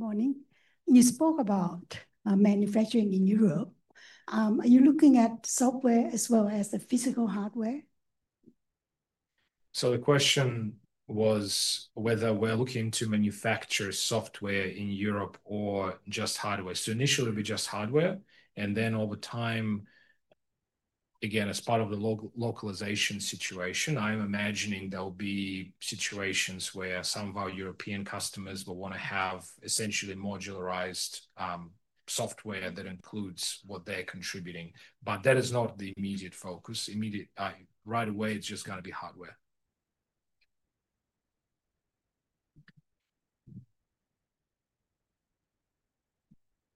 Morning. You spoke about manufacturing in Europe. Are you looking at software as well as the physical hardware? The question was whether we're looking to manufacture software in Europe or just hardware. Initially, we just hardware. Over time, again, as part of the localisation situation, I'm imagining there will be situations where some of our European customers will want to have essentially modularized software that includes what they're contributing. That is not the immediate focus. Immediate, right away, it's just going to be hardware.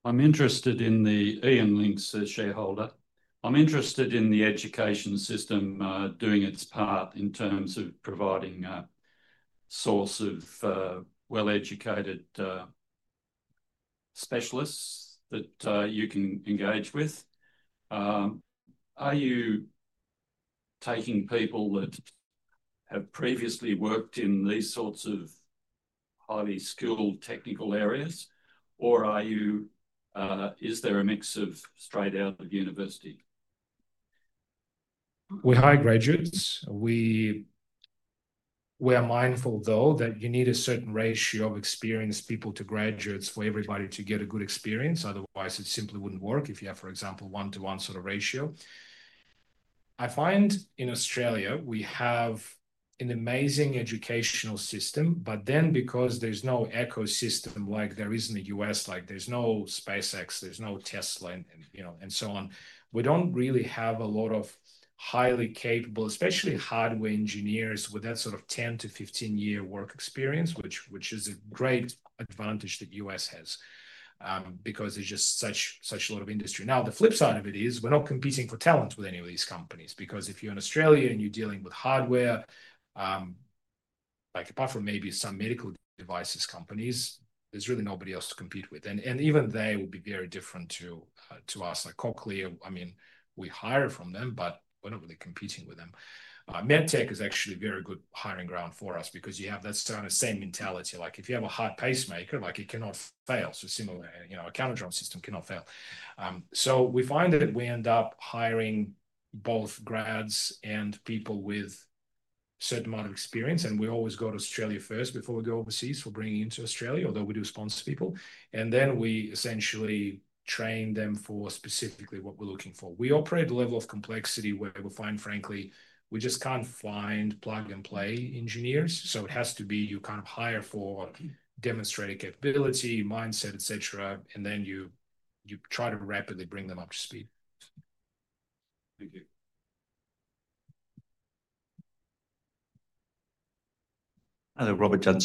I'm interested in the <inaudible> shareholder. I'm interested in the education system doing its part in terms of providing a source of well-educated specialists that you can engage with. Are you taking people that have previously worked in these sorts of highly skilled technical areas, or is there a mix of straight out of university? We're high graduates. We are mindful, though, that you need a certain ratio of experienced people to graduates for everybody to get a good experience. Otherwise, it simply would not work if you have, for example, a one-to-one sort of ratio. I find in Australia, we have an amazing educational system. But then, because there's no ecosystem like there is in the U.S., like there's no SpaceX, there's no Tesla, and so on, we don't really have a lot of highly capable, especially hardware engineers with that sort of 10-15 year work experience, which is a great advantage that the U.S. has because there's just such a lot of industry. Now, the flip side of it is we're not competing for talent with any of these companies because if you're in Australia and you're dealing with hardware, apart from maybe some medical devices companies, there's really nobody else to compete with. And even they would be very different to us. Like Cochlear, I mean, we hire from them, but we're not really competing with them. MedTech is actually very good hiring ground for us because you have that sort of same mentality. Like if you have a heart pacemaker, it cannot fail. So similar accounting drone system cannot fail. We find that we end up hiring both grads and people with a certain amount of experience. We always go to Australia first before we go overseas for bringing into Australia, although we do sponsor people. We essentially train them for specifically what we're looking for. We operate at a level of complexity where we find, frankly, we just can't find plug-and-play engineers. It has to be you kind of hire for demonstrated capability, mindset, etc., and then you try to rapidly bring them up to speed. Thank you. Hello, Robert Judd,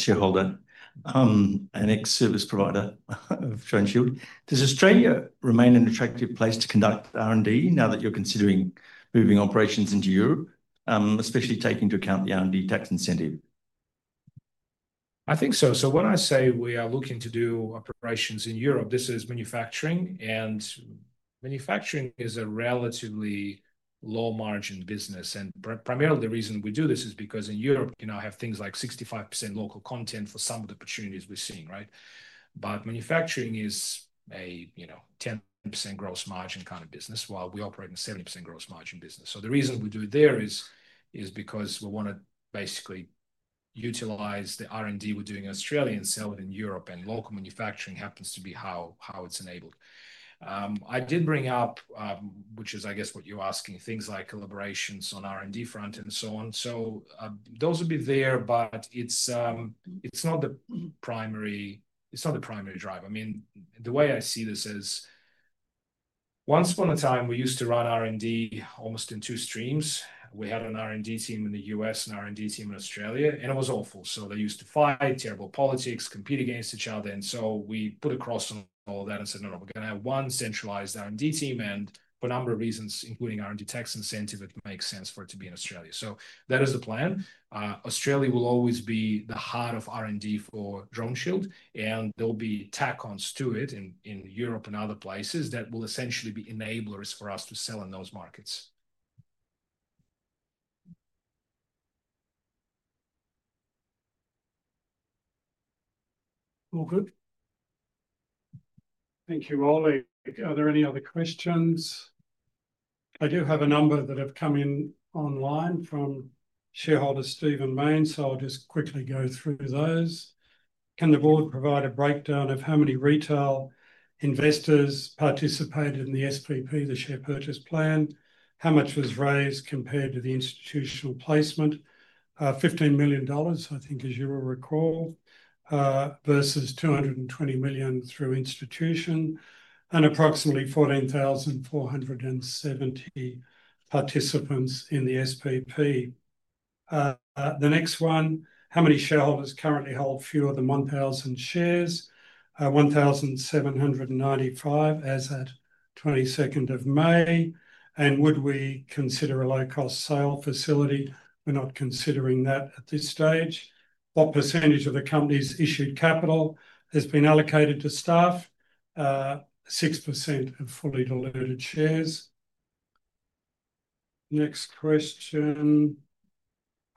shareholder, an ex-service provider of DroneShield. Does Australia remain an attractive place to conduct R&D now that you're considering moving operations into Europe, especially taking into account the R&D tax incentive? I think so. When I say we are looking to do operations in Europe, this is manufacturing. Manufacturing is a relatively low-margin business. Primarily, the reason we do this is because in Europe, you now have things like 65% local content for some of the opportunities we're seeing, right? Manufacturing is a 10% gross margin kind of business while we operate in a 70% gross margin business. The reason we do it there is because we want to basically utilise the R&D we're doing in Australia and sell it in Europe. Local manufacturing happens to be how it's enabled. I did bring up, which is, I guess, what you're asking, things like collaborations on the R&D front and so on. Those will be there, but it's not the primary drive. I mean, the way I see this is once upon a time, we used to run R&D almost in two streams. We had an R&D team in the U.S. and an R&D team in Australia. It was awful. They used to fight, terrible politics, compete against each other. We put a cross on all that and said, "No, no, we're going to have one centralised R&D team." For a number of reasons, including R&D tax incentive, it makes sense for it to be in Australia. That is the plan. Australia will always be the heart of R&D for DroneShield. There will be tack-ons to it in Europe and other places that will essentially be enablers for us to sell in those markets. All good? Thank you, Oleg. Are there any other questions? I do have a number that have come in online from shareholder Stephen Main. I'll just quickly go through those. Can the board provide a breakdown of how many retail investors participated in the SPP, the share purchase plan? How much was raised compared to the institutional placement? 15 million dollars, I think, as you will recall, versus 220 million through institution, and approximately 14,470 participants in the SPP. The next one, how many shareholders currently hold fewer than 1,000 shares? 1,795 as of 22nd of May. Would we consider a low-cost sale facility? We're not considering that at this stage. What percentage of the company's issued capital has been allocated to staff? 6% of fully diluted shares. Next question.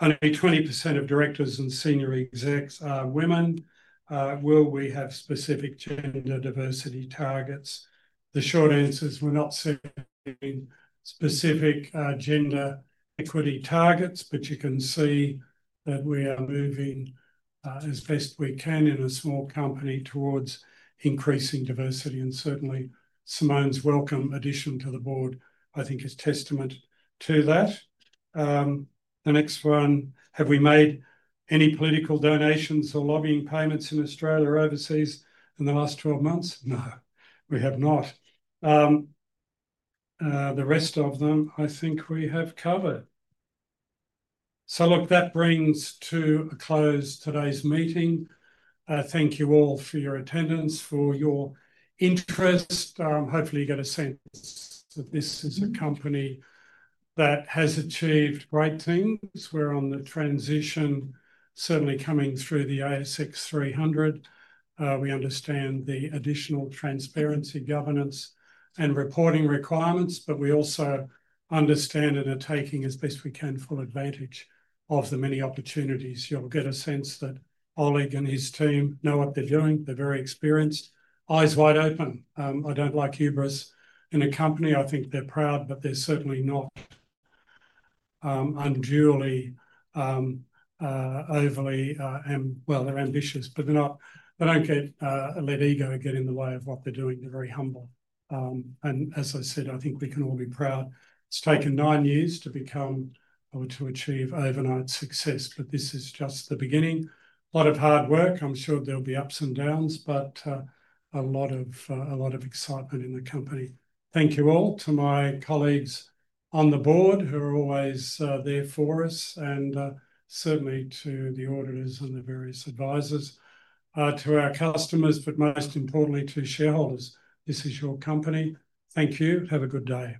Only 20% of directors and senior execs are women. Will we have specific gender diversity targets? The short answer is we're not seeing specific gender equity targets, but you can see that we are moving as best we can in a small company towards increasing diversity. And certainly, Simone's welcome addition to the board, I think, is testament to that. The next one, have we made any political donations or lobbying payments in Australia or overseas in the last 12 months? No, we have not. The rest of them, I think we have covered. So look, that brings to a close today's meeting. Thank you all for your attendance, for your interest. Hopefully, you get a sense that this is a company that has achieved great things. We're on the transition, certainly coming through the ASX 300. We understand the additional transparency, governance, and reporting requirements, but we also understand and are taking as best we can full advantage of the many opportunities. You'll get a sense that Oleg and his team know what they're doing. They're very experienced. Eyes wide open. I don't like hubris in a company. I think they're proud, but they're certainly not unduly overly—well, they're ambitious, but they don't let ego get in the way of what they're doing. They're very humble. As I said, I think we can all be proud. It's taken nine years to become or to achieve overnight success, but this is just the beginning. A lot of hard work. I'm sure there'll be ups and downs, but a lot of excitement in the company. Thank you all to my colleagues on the board who are always there for us, and certainly to the auditors and the various advisors, to our customers, but most importantly, to shareholders. This is your company. Thank you. Have a good day.